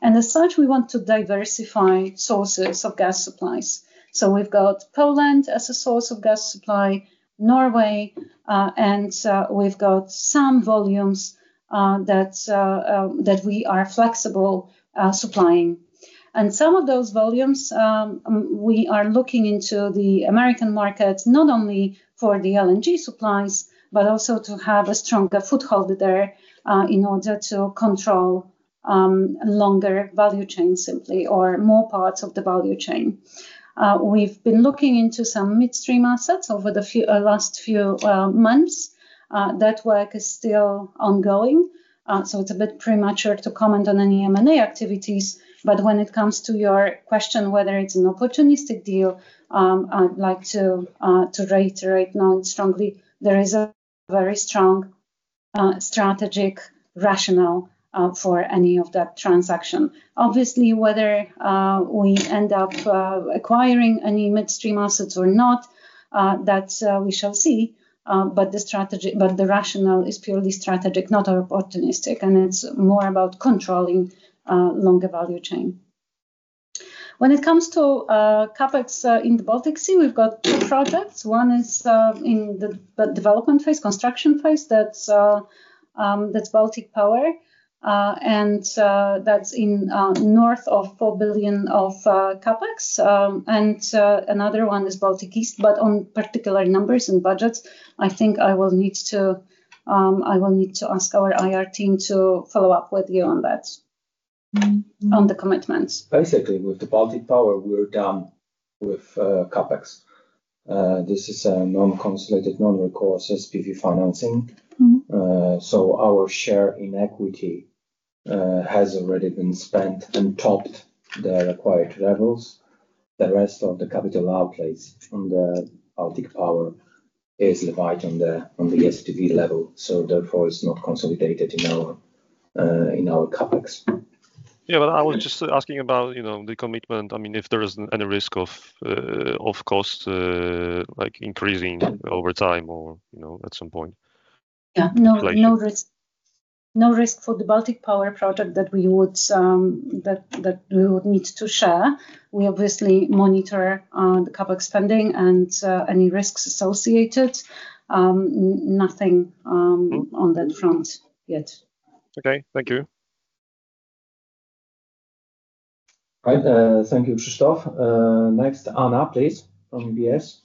And as such, we want to diversify sources of gas supplies. So we've got Poland as a source of gas supply, Norway, and, we've got some volumes, that, that we are flexible, supplying. And some of those volumes, we are looking into the American market, not only for the LNG supplies, but also to have a stronger foothold there, in order to control, longer value chain simply, or more parts of the value chain. We've been looking into some midstream assets over the last few months. That work is still ongoing, so it's a bit premature to comment on any M&A activities. But when it comes to your question, whether it's an opportunistic deal, I'd like to reiterate now strongly. There is a very strong strategic rationale for any of that transaction. Obviously, whether we end up acquiring any midstream assets or not, that we shall see, but the strategy... but the rationale is purely strategic, not opportunistic, and it's more about controlling longer value chain. When it comes to CapEx in the Baltic Sea, we've got two projects. One is in the development phase, construction phase. That's Baltic Power, and that's north of 4 billion of CapEx. And another one is Baltic East. But on particular numbers and budgets, I think I will need to ask our IR team to follow up with you on that... on the commitments. Basically, with the Baltic Power, we're done with CapEx. This is a non-consolidated, non-recourse SPV financing. Mm-hmm. Our share in equity has already been spent and topped the required levels. The rest of the capital outlays from the Baltic Power is divided on the SPV level, so therefore, it's not consolidated in our CapEx. Yeah, but I was just asking about, you know, the commitment. I mean, if there is any risk of cost, like increasing over time or, you know, at some point. Yeah. Like- No, no risk. No risk for the Baltic Power project that we would need to share. We obviously monitor the CapEx spending and any risks associated. Nothing on that front yet. Okay. Thank you. Right. Thank you, Krzysztof. Next, Anna, please, from UBS.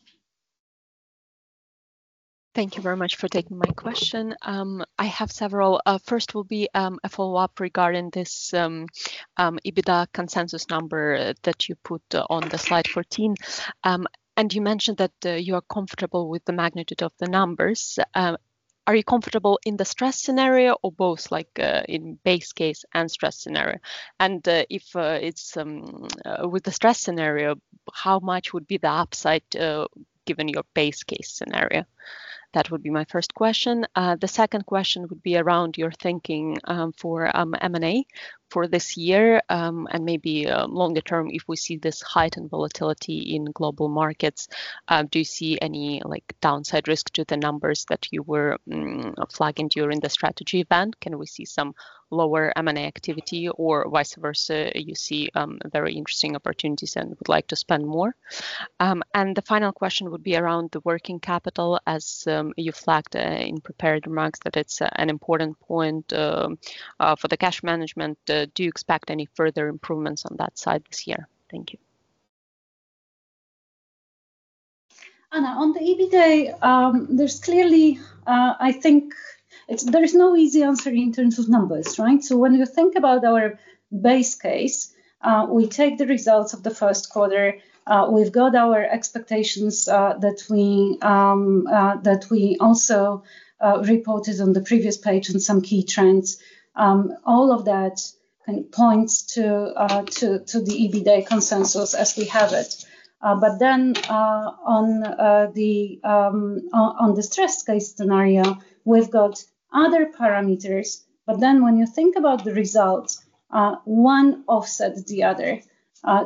Thank you very much for taking my question. I have several. First will be a follow-up regarding this EBITDA consensus number that you put on the slide 14. And you mentioned that you are comfortable with the magnitude of the numbers. Are you comfortable in the stress scenario or both, like, in base case and stress scenario? And if it's with the stress scenario, how much would be the upside given your base case scenario? That would be my first question. The second question would be around your thinking for M&A for this year, and maybe longer term, if we see this heightened volatility in global markets, do you see any, like, downside risk to the numbers that you were flagging during the strategy event? Can we see some lower M&A activity, or vice versa, you see, very interesting opportunities and would like to spend more? The final question would be around the working capital, as you flagged, in prepared remarks that it's an important point, for the cash management. Do you expect any further improvements on that side this year? Thank you. Anna, on the EBITDA, there's clearly... I think there is no easy answer in terms of numbers, right? So when you think about our base case, we take the results of the first quarter, we've got our expectations that we also reported on the previous page and some key trends. All of that kind of points to the EBITDA consensus as we have it. But then on the stress case scenario, we've got other parameters, but then when you think about the results, one offsets the other.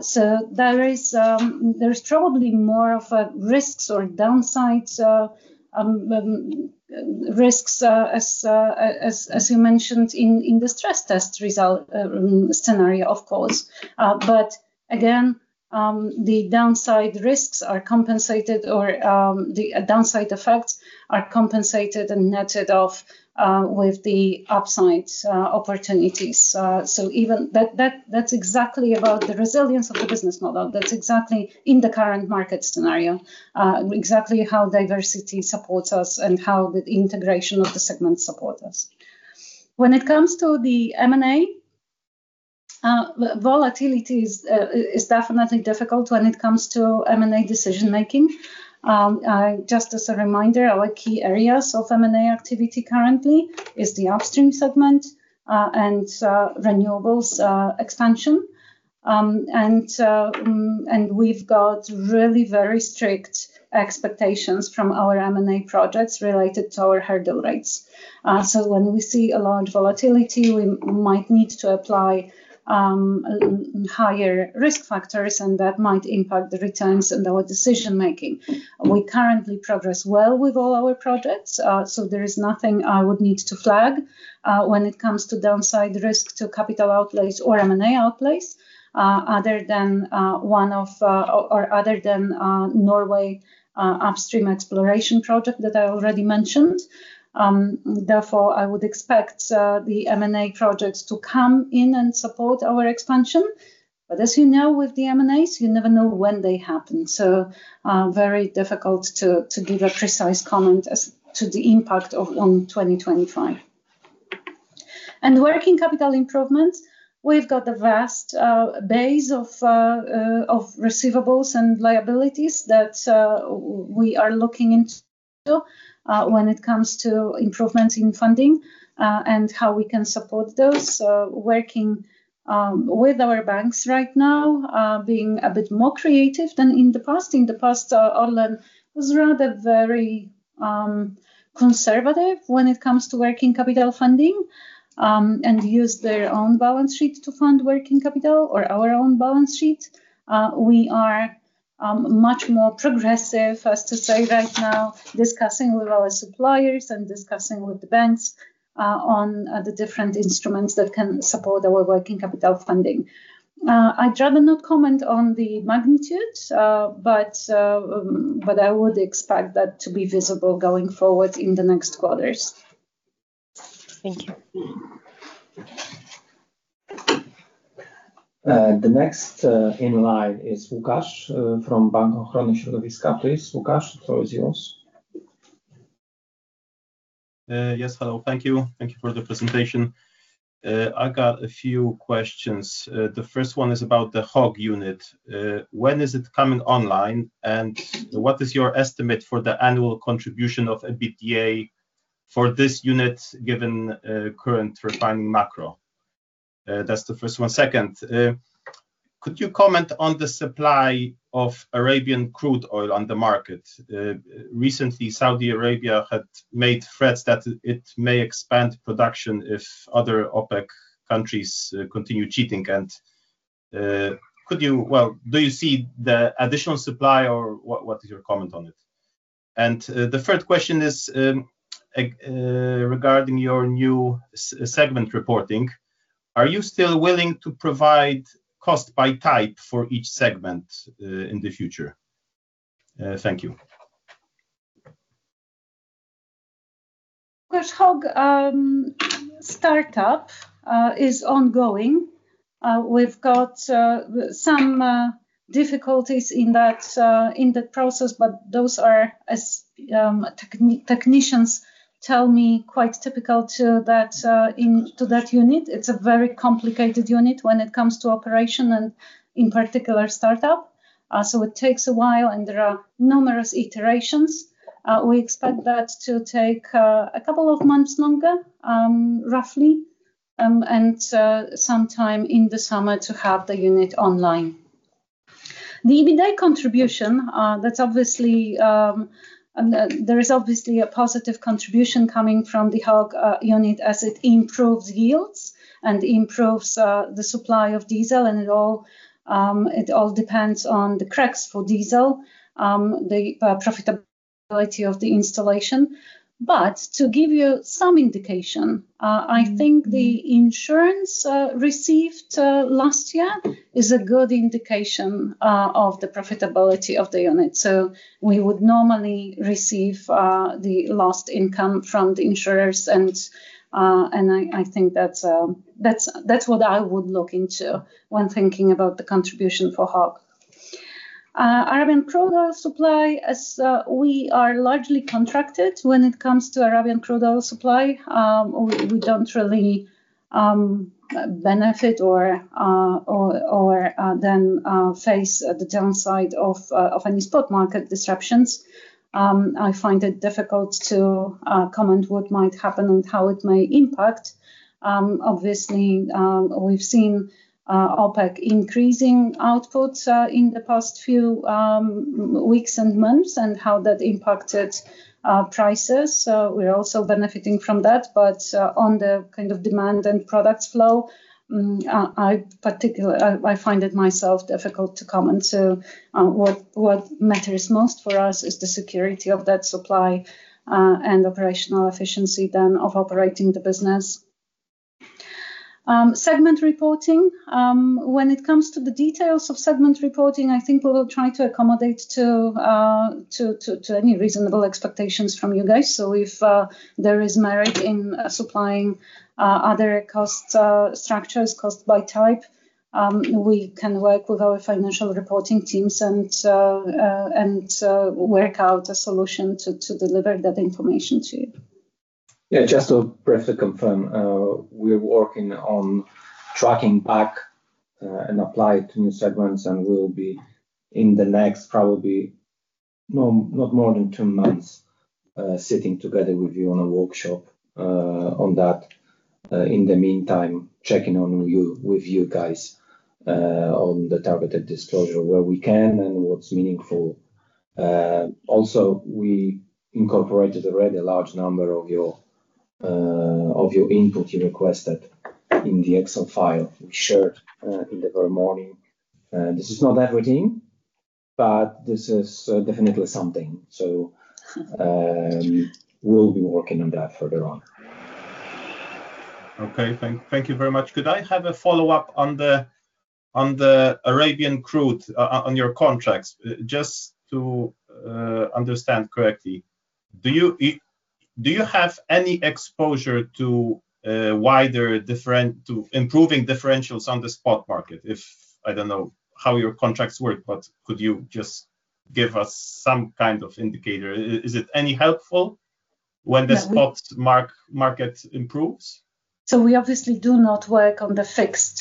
So there is there's probably more of a risks or downsides, risks as you mentioned in the stress test result scenario, of course. But again, the downside risks are compensated or, the downside effects are compensated and netted off, with the upside opportunities. So even that, that's exactly about the resilience of the business model. That's exactly in the current market scenario, exactly how diversity supports us and how the integration of the segments support us. When it comes to the M&A, volatility is definitely difficult when it comes to M&A decision-making. Just as a reminder, our key areas of M&A activity currently is the upstream segment, and renewables expansion. And we've got really very strict expectations from our M&A projects related to our hurdle rates. So when we see a large volatility, we might need to apply higher risk factors, and that might impact the returns and our decision-making. We currently progress well with all our projects, so there is nothing I would need to flag when it comes to downside risk to capital outlays or M&A outlays, other than Norway upstream exploration project that I already mentioned. Therefore, I would expect the M&A projects to come in and support our expansion, but as you know, with the M&As, you never know when they happen, so very difficult to give a precise comment as to the impact on 2025. And working capital improvements, we've got a vast base of receivables and liabilities that we are looking into when it comes to improvements in funding and how we can support those. Working with our banks right now, being a bit more creative than in the past. In the past, Orlen was rather very conservative when it comes to working capital funding, and used their own balance sheet to fund working capital or our own balance sheet. We are much more progressive, as to say, right now, discussing with our suppliers and discussing with the banks, on the different instruments that can support our working capital funding. I'd rather not comment on the magnitude, but I would expect that to be visible going forward in the next quarters. Thank you. The next in line is Łukasz from Bank Ochrony Środowiska. Please, Łukasz, the floor is yours.... Yes, hello. Thank you. Thank you for the presentation. I got a few questions. The first one is about the H-Oil unit. When is it coming online, and what is your estimate for the annual contribution of EBITDA for this unit, given current refining macro? That's the first one. Second, could you comment on the supply of Arabian crude oil on the market? Recently, Saudi Arabia had made threats that it may expand production if other OPEC countries continue cheating, and could you... Well, do you see the additional supply, or what, what is your comment on it? The third question is regarding your new segment reporting. Are you still willing to provide cost by type for each segment, in the future? Thank you. Of course, H-Oil startup is ongoing. We've got some difficulties in that process, but those are, as technicians tell me, quite typical to that unit. It's a very complicated unit when it comes to operation and, in particular, startup. So it takes a while, and there are numerous iterations. We expect that to take a couple of months longer, roughly, and sometime in the summer to have the unit online. The EBITDA contribution, that's obviously there is obviously a positive contribution coming from the H-Oil unit as it improves yields and improves the supply of diesel, and it all depends on the cracks for diesel, the profitability of the installation. But to give you some indication, I think the insurance received last year is a good indication of the profitability of the unit. So we would normally receive the lost income from the insurers, and I think that's what I would look into when thinking about the contribution for H-Oil. Arabian crude oil supply, as we are largely contracted when it comes to Arabian crude oil supply. We don't really benefit or face the downside of any spot market disruptions. I find it difficult to comment what might happen and how it may impact. Obviously, we've seen OPEC increasing outputs in the past few weeks and months, and how that impacted prices, so we're also benefiting from that. But on the kind of demand and products flow, I find it myself difficult to comment. So what matters most for us is the security of that supply and operational efficiency then of operating the business. Segment reporting, when it comes to the details of segment reporting, I think we will try to accommodate to any reasonable expectations from you guys. So if there is merit in supplying other cost structures, cost by type, we can work with our financial reporting teams and work out a solution to deliver that information to you. Yeah, just to briefly confirm, we're working on tracking back and apply it to new segments, and we'll be in the next probably, no, not more than two months, sitting together with you on a workshop on that. In the meantime, checking on you, with you guys, on the targeted disclosure, where we can and what's meaningful. Also, we incorporated already a large number of your, of your input you requested in the Excel file we shared in the very morning. This is not everything, but this is definitely something. We'll be working on that further on. Okay. Thank you very much. Could I have a follow-up on the Arabian crude, on your contracts? Just to understand correctly, do you have any exposure to wider different, to improving differentials on the spot market? If... I don't know how your contracts work, but could you just give us some kind of indicator? Is it any helpful when- Yeah, we- the spot market improves? So we obviously do not work on the fixed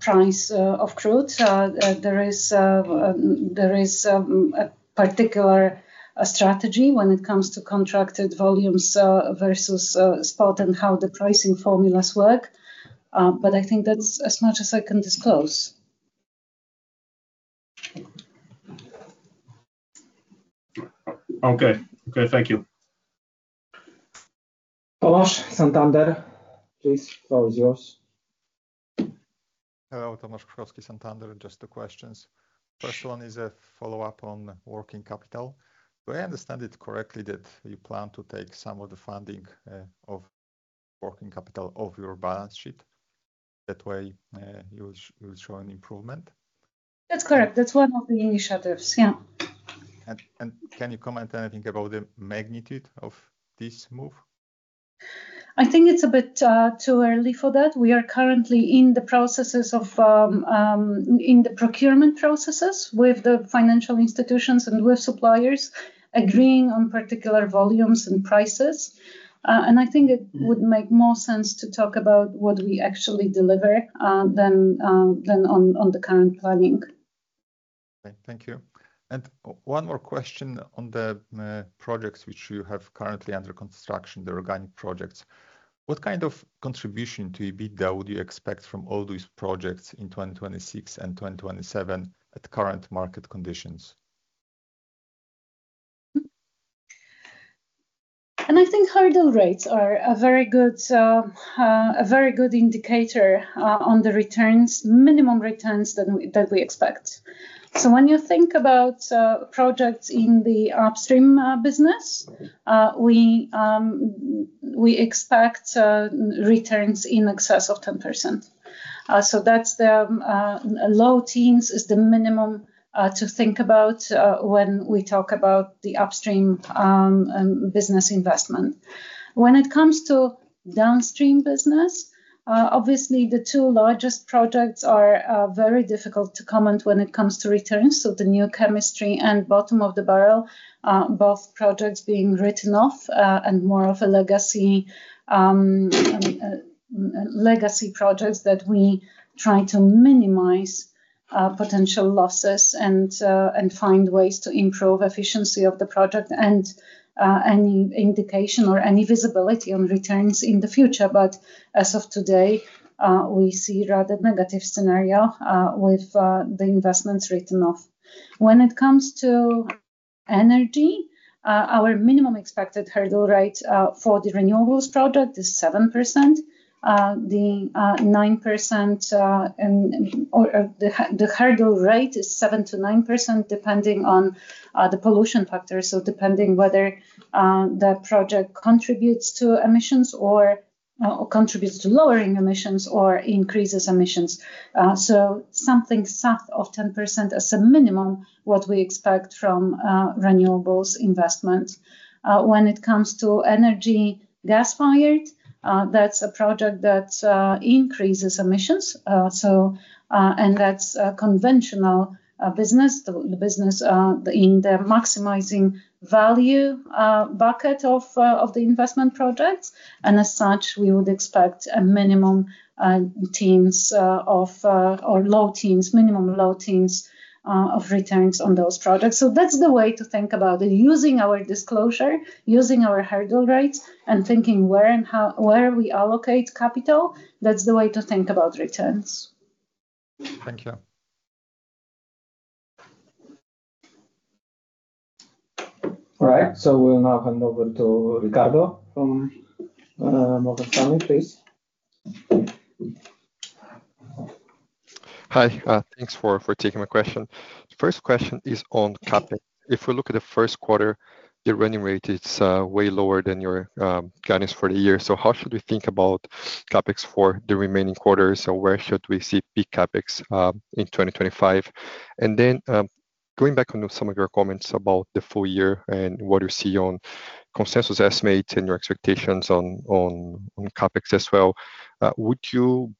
price of crude. There is a particular strategy when it comes to contracted volumes versus spot and how the pricing formulas work. But I think that's as much as I can disclose. Okay. Okay, thank you. Tomasz, Santander. Please, the floor is yours. Hello. Tomasz Kurowski, Santander. Just two questions. Sure. First one is a follow-up on working capital. Do I understand it correctly that you plan to take some of the funding, of working capital off your balance sheet? That way, you will, you will show an improvement. That's correct. That's one of the initiatives, yeah. Can you comment anything about the magnitude of this move?... I think it's a bit too early for that. We are currently in the procurement processes with the financial institutions and with suppliers agreeing on particular volumes and prices. And I think it would make more sense to talk about what we actually deliver than on the current planning. Thank you. And one more question on the projects which you have currently under construction, the organic projects. What kind of contribution to EBITDA would you expect from all these projects in 2026 and 2027 at current market conditions? I think hurdle rates are a very good indicator on the returns, minimum returns that we expect. So when you think about projects in the upstream business, we expect returns in excess of 10%. So that's the low teens is the minimum to think about when we talk about the upstream business investment. When it comes to Downstream business, obviously, the two largest projects are very difficult to comment when it comes to returns, so the New Chemistry and bottom of the barrel, both projects being written off, and more of a legacy projects that we try to minimize potential losses and find ways to improve efficiency of the project and any indication or any visibility on returns in the future. But as of today, we see rather negative scenario with the investments written off. When it comes to Energy, our minimum expected hurdle rate for the renewables project is 7%, the 9%, and, or, the hurdle rate is 7%-9%, depending on the pollution factor. So depending whether the project contributes to emissions or contributes to lowering emissions or increases emissions. So something south of 10% as a minimum, what we expect from renewables investment. When it comes to Energy gas-fired, that's a project that increases emissions. So, and that's a conventional business, the business in the maximizing value bucket of the investment projects, and as such, we would expect a minimum teens or low teens, minimum low teens of returns on those projects. So that's the way to think about it, using our disclosure, using our hurdle rates, and thinking where and how... where we allocate capital. That's the way to think about returns. Thank you. All right, so we'll now hand over to Ricardo from Morgan Stanley, please. Hi, thanks for taking my question. First question is on CapEx. If we look at the first quarter, the running rate is way lower than your guidance for the year. So how should we think about CapEx for the remaining quarters, or where should we see peak CapEx in 2025? And then, going back on to some of your comments about the full year and what you see on consensus estimates and your expectations on CapEx as well, would you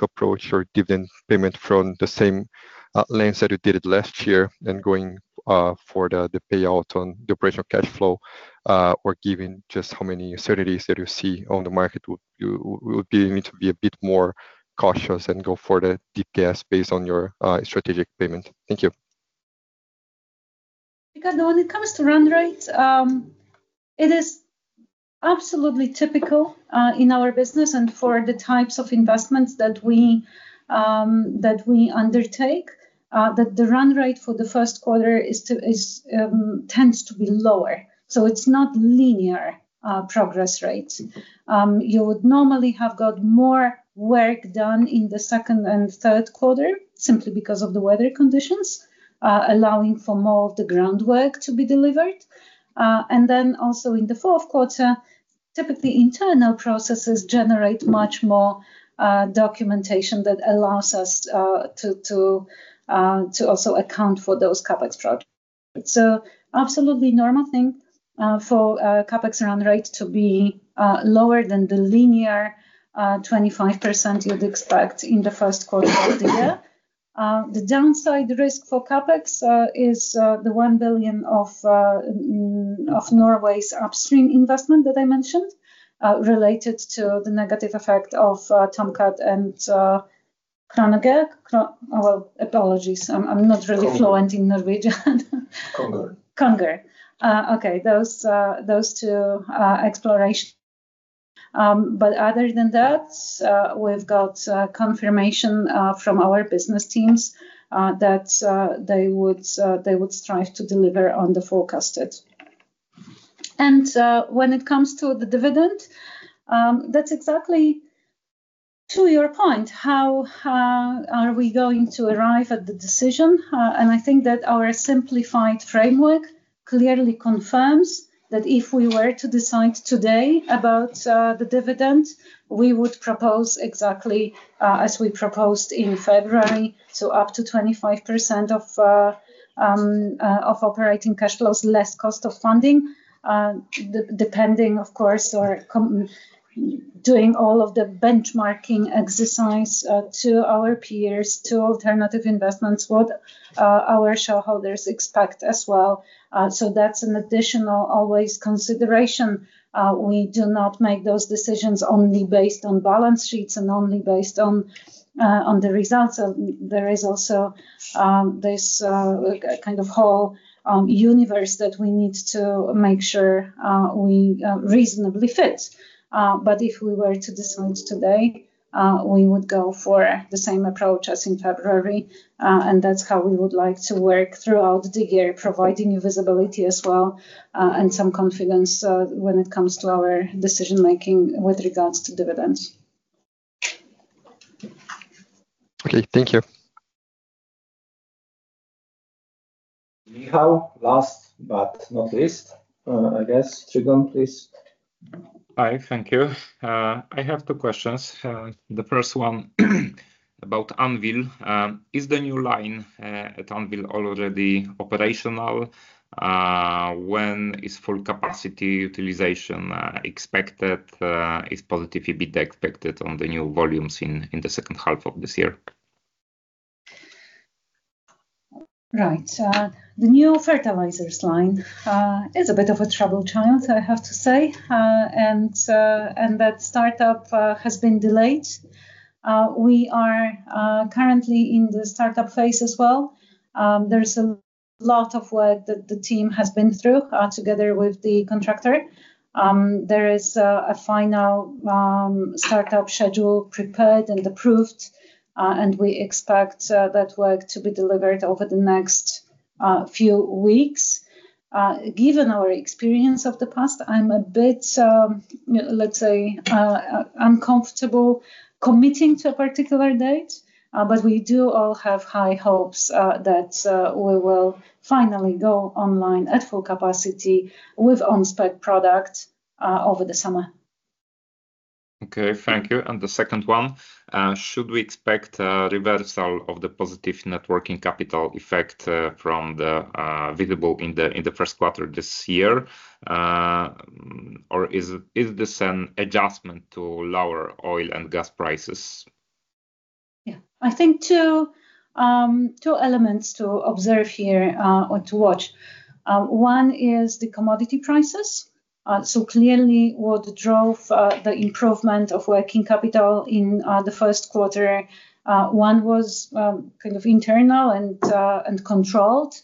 approach your dividend payment from the same lens that you did it last year than going for the payout on the operational cash flow? Or, given just how many uncertainties that you see on the market, would you need to be a bit more cautious and go for the deep gas based on your strategic payment? Thank you. Because when it comes to run rates, it is absolutely typical in our business and for the types of investments that we undertake that the run rate for the first quarter tends to be lower, so it's not linear progress rate. You would normally have got more work done in the second and third quarter simply because of the weather conditions allowing for more of the groundwork to be delivered. And then also in the fourth quarter, typically, internal processes generate much more documentation that allows us to also account for those CapEx projects. So absolutely normal thing for CapEx run rate to be lower than the linear 25% you'd expect in the first quarter of the year. The downside risk for CapEx is the $1 billion of Norway's upstream investment that I mentioned, related to the negative effect of Tomcat and Kranager. Apologies, I'm not really- Konger... fluent in Norwegian. Kongeørn. Kongeørn. Okay, those two exploration. But other than that, we've got confirmation from our business teams that they would strive to deliver on the forecasted. When it comes to the dividend, that's exactly to your point, how are we going to arrive at the decision? I think that our simplified framework clearly confirms that if we were to decide today about the dividend, we would propose exactly as we proposed in February. So up to 25% of operating cash flows, less cost of funding, depending, of course, doing all of the benchmarking exercise to our peers, to alternative investments, what our shareholders expect as well. So that's an additional always consideration. We do not make those decisions only based on balance sheets and only based on the results. So there is also this kind of whole universe that we need to make sure we reasonably fit. But if we were to decide today, we would go for the same approach as in February. And that's how we would like to work throughout the year, providing you visibility as well, and some confidence when it comes to our decision-making with regards to dividends. Okay, thank you. Michał, last but not least, I guess, Trigon, please. Hi, thank you. I have two questions. The first one about Anwil. Is the new line at Anwil already operational? When is full capacity utilization expected? Is positive EBITDA expected on the new volumes in the second half of this year? Right. The new fertilizers line is a bit of a troubled child, I have to say. And that startup has been delayed. We are currently in the startup phase as well. There is a lot of work that the team has been through together with the contractor. There is a final startup schedule prepared and approved, and we expect that work to be delivered over the next few weeks. Given our experience of the past, I'm a bit, let's say, uncomfortable committing to a particular date, but we do all have high hopes that we will finally go online at full capacity with on-spec product over the summer. Okay, thank you. And the second one, should we expect a reversal of the positive net working capital effect from the visible in the first quarter this year? Or is this an adjustment to lower oil and gas prices? Yeah. I think two elements to observe here, or to watch. One is the commodity prices. So clearly what drove the improvement of working capital in the first quarter, one was kind of internal and controlled.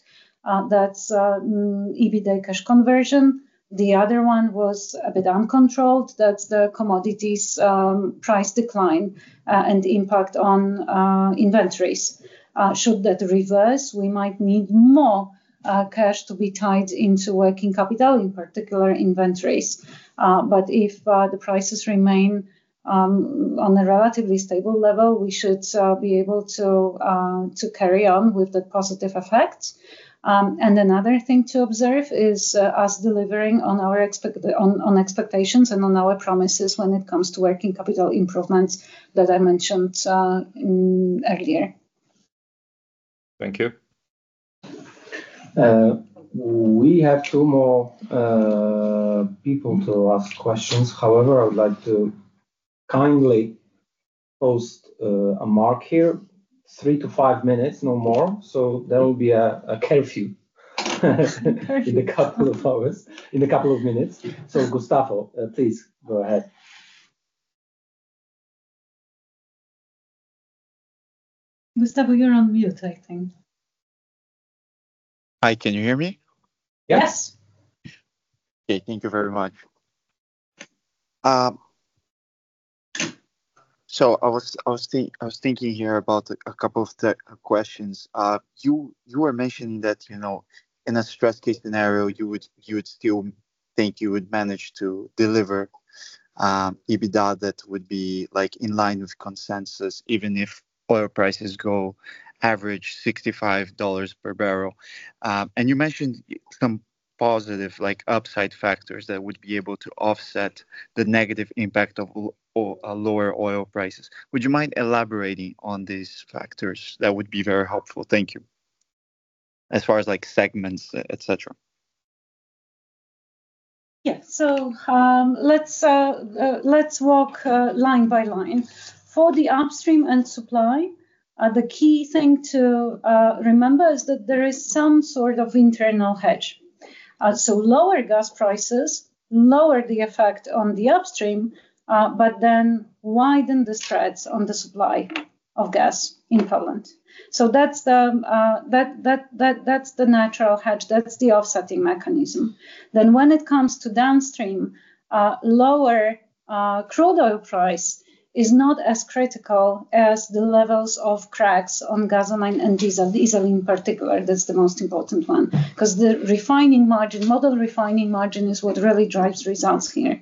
That's EBITDA cash conversion. The other one was a bit uncontrolled. That's the commodities price decline, and the impact on inventories. Should that reverse, we might need more cash to be tied into working capital, in particular, inventories. But if the prices remain on a relatively stable level, we should be able to carry on with the positive effects. And another thing to observe is us delivering on our expectations and on our promises when it comes to working capital improvements that I mentioned earlier. Thank you. We have two more people to ask questions. However, I would like to kindly post a mark here, 3-5 minutes, no more. So there will be a curfew. Curfew? In a couple of hours... In a couple of minutes. So Gustavo, please go ahead. Gustavo, you're on mute, I think. Hi, can you hear me? Yes. Yes. Okay. Thank you very much. So I was thinking here about a couple of the questions. You were mentioning that, you know, in a stress case scenario, you would still think you would manage to deliver EBITDA that would be, like, in line with consensus, even if oil prices go average $65 per barrel. And you mentioned some positive, like, upside factors that would be able to offset the negative impact of lower oil prices. Would you mind elaborating on these factors? That would be very helpful. Thank you. As far as, like, segments, et cetera. Yeah. So, let's walk line by line. For the Upstream and Supply, the key thing to remember is that there is some sort of internal hedge. So lower gas prices lower the effect on the upstream, but then widen the spreads on the supply of gas in Poland. So that's the natural hedge. That's the offsetting mechanism. Then, when it comes to Downstream, lower crude oil price is not as critical as the levels of cracks on gasoline and diesel. Diesel, in particular, that's the most important one, 'cause the refining margin, model refining margin is what really drives results here.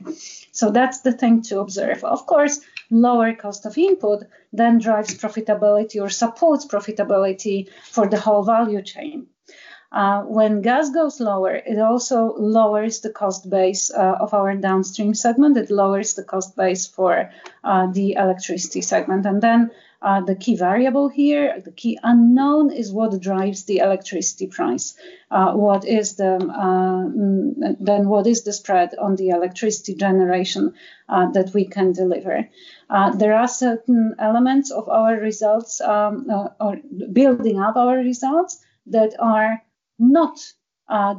So that's the thing to observe. Of course, lower cost of input then drives profitability or supports profitability for the whole value chain.... When gas goes lower, it also lowers the cost base of our Downstream segment. It lowers the cost base for the electricity segment. The key variable here, the key unknown, is what drives the electricity price. What is the spread on the electricity generation that we can deliver? There are certain elements of our results or building up our results that are not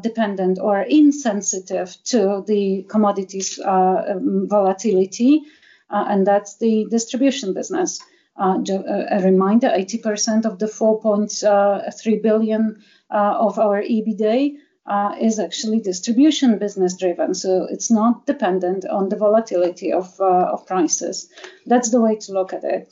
dependent or insensitive to the commodities volatility, and that's the distribution business. A reminder, 80% of the 4.3 billion of our EBITDA is actually distribution business-driven, so it's not dependent on the volatility of prices. That's the way to look at it.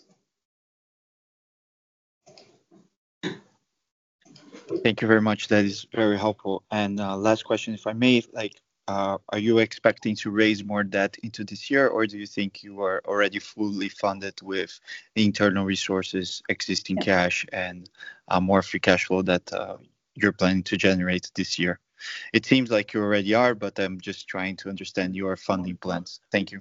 Thank you very much. That is very helpful. And, last question, if I may: like, are you expecting to raise more debt into this year, or do you think you are already fully funded with the internal resources, existing cash- Yeah. And, more free cash flow that you're planning to generate this year? It seems like you already are, but I'm just trying to understand your funding plans. Thank you.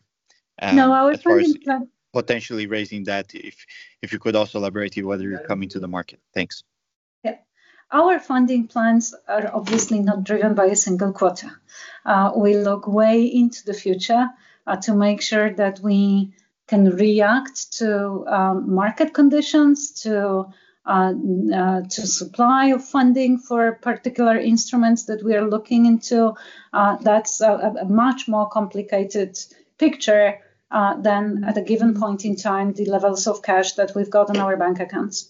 No, our funding plan- Of course, potentially raising that, if you could also elaborate whether you're coming to the market. Thanks. Yeah. Our funding plans are obviously not driven by a single quarter. We look way into the future, to make sure that we can react to, market conditions, to, to supply of funding for particular instruments that we are looking into. That's a much more complicated picture, than at a given point in time, the levels of cash that we've got in our bank accounts.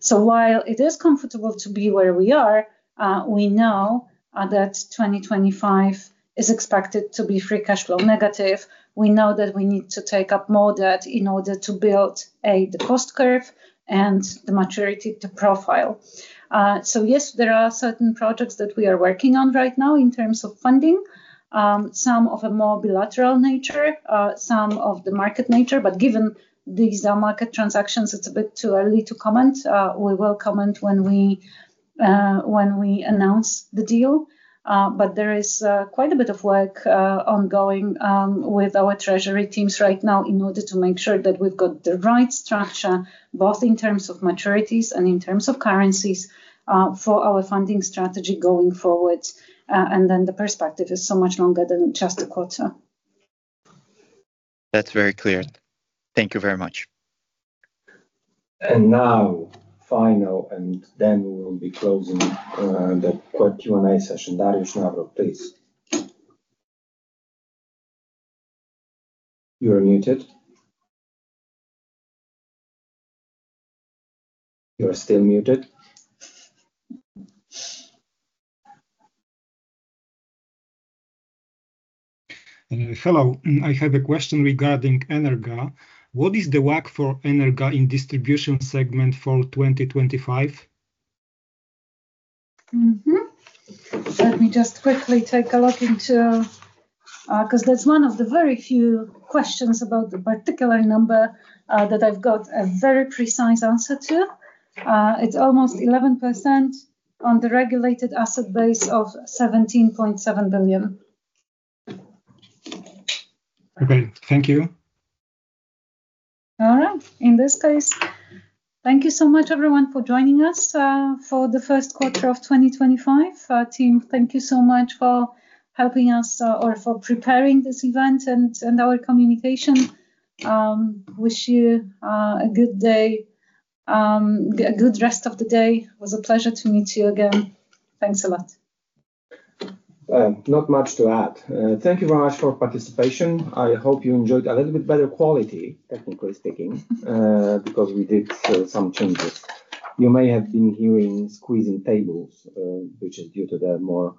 So while it is comfortable to be where we are, we know, that 2025 is expected to be free cash flow negative. We know that we need to take up more debt in order to build the cost curve and the maturity, the profile. So yes, there are certain projects that we are working on right now in terms of funding, some of a more bilateral nature, some of the market nature, but given these are market transactions, it's a bit too early to comment. We will comment when we, when we announce the deal. But there is, quite a bit of work, ongoing, with our treasury teams right now in order to make sure that we've got the right structure, both in terms of maturities and in terms of currencies, for our funding strategy going forward. And then the perspective is so much longer than just a quarter. That's very clear. Thank you very much. And now, final, and then we will be closing the Q&A session. Dariusz Nawrot, please. You are muted. You are still muted. Hello. I have a question regarding Energa. What is the WACC for Energa in distribution segment for 2025? Mm-hmm. Let me just quickly take a look into, 'Cause that's one of the very few questions about the particular number that I've got a very precise answer to. It's almost 11% on the regulated asset base of 17.7 billion. Okay. Thank you. All right. In this case, thank you so much, everyone, for joining us for the first quarter of 2025. Team, thank you so much for helping us for preparing this event and, and our communication. Wish you a good day, a good rest of the day. It was a pleasure to meet you again. Thanks a lot. Not much to add. Thank you very much for participation. I hope you enjoyed a little bit better quality, technically speaking, because we did some changes. You may have been hearing squeezing tables, which is due to the more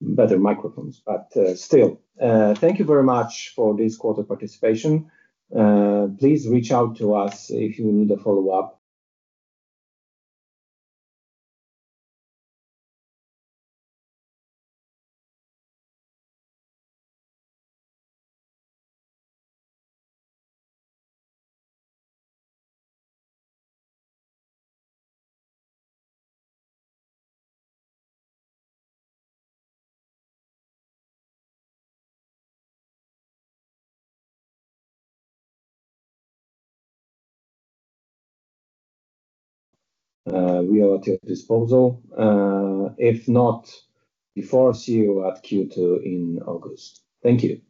better microphones, but still, thank you very much for this quarter participation. Please reach out to us if you need a follow-up. We are at your disposal, if not, we forward to see you at Q2 in August. Thank you. Thank you.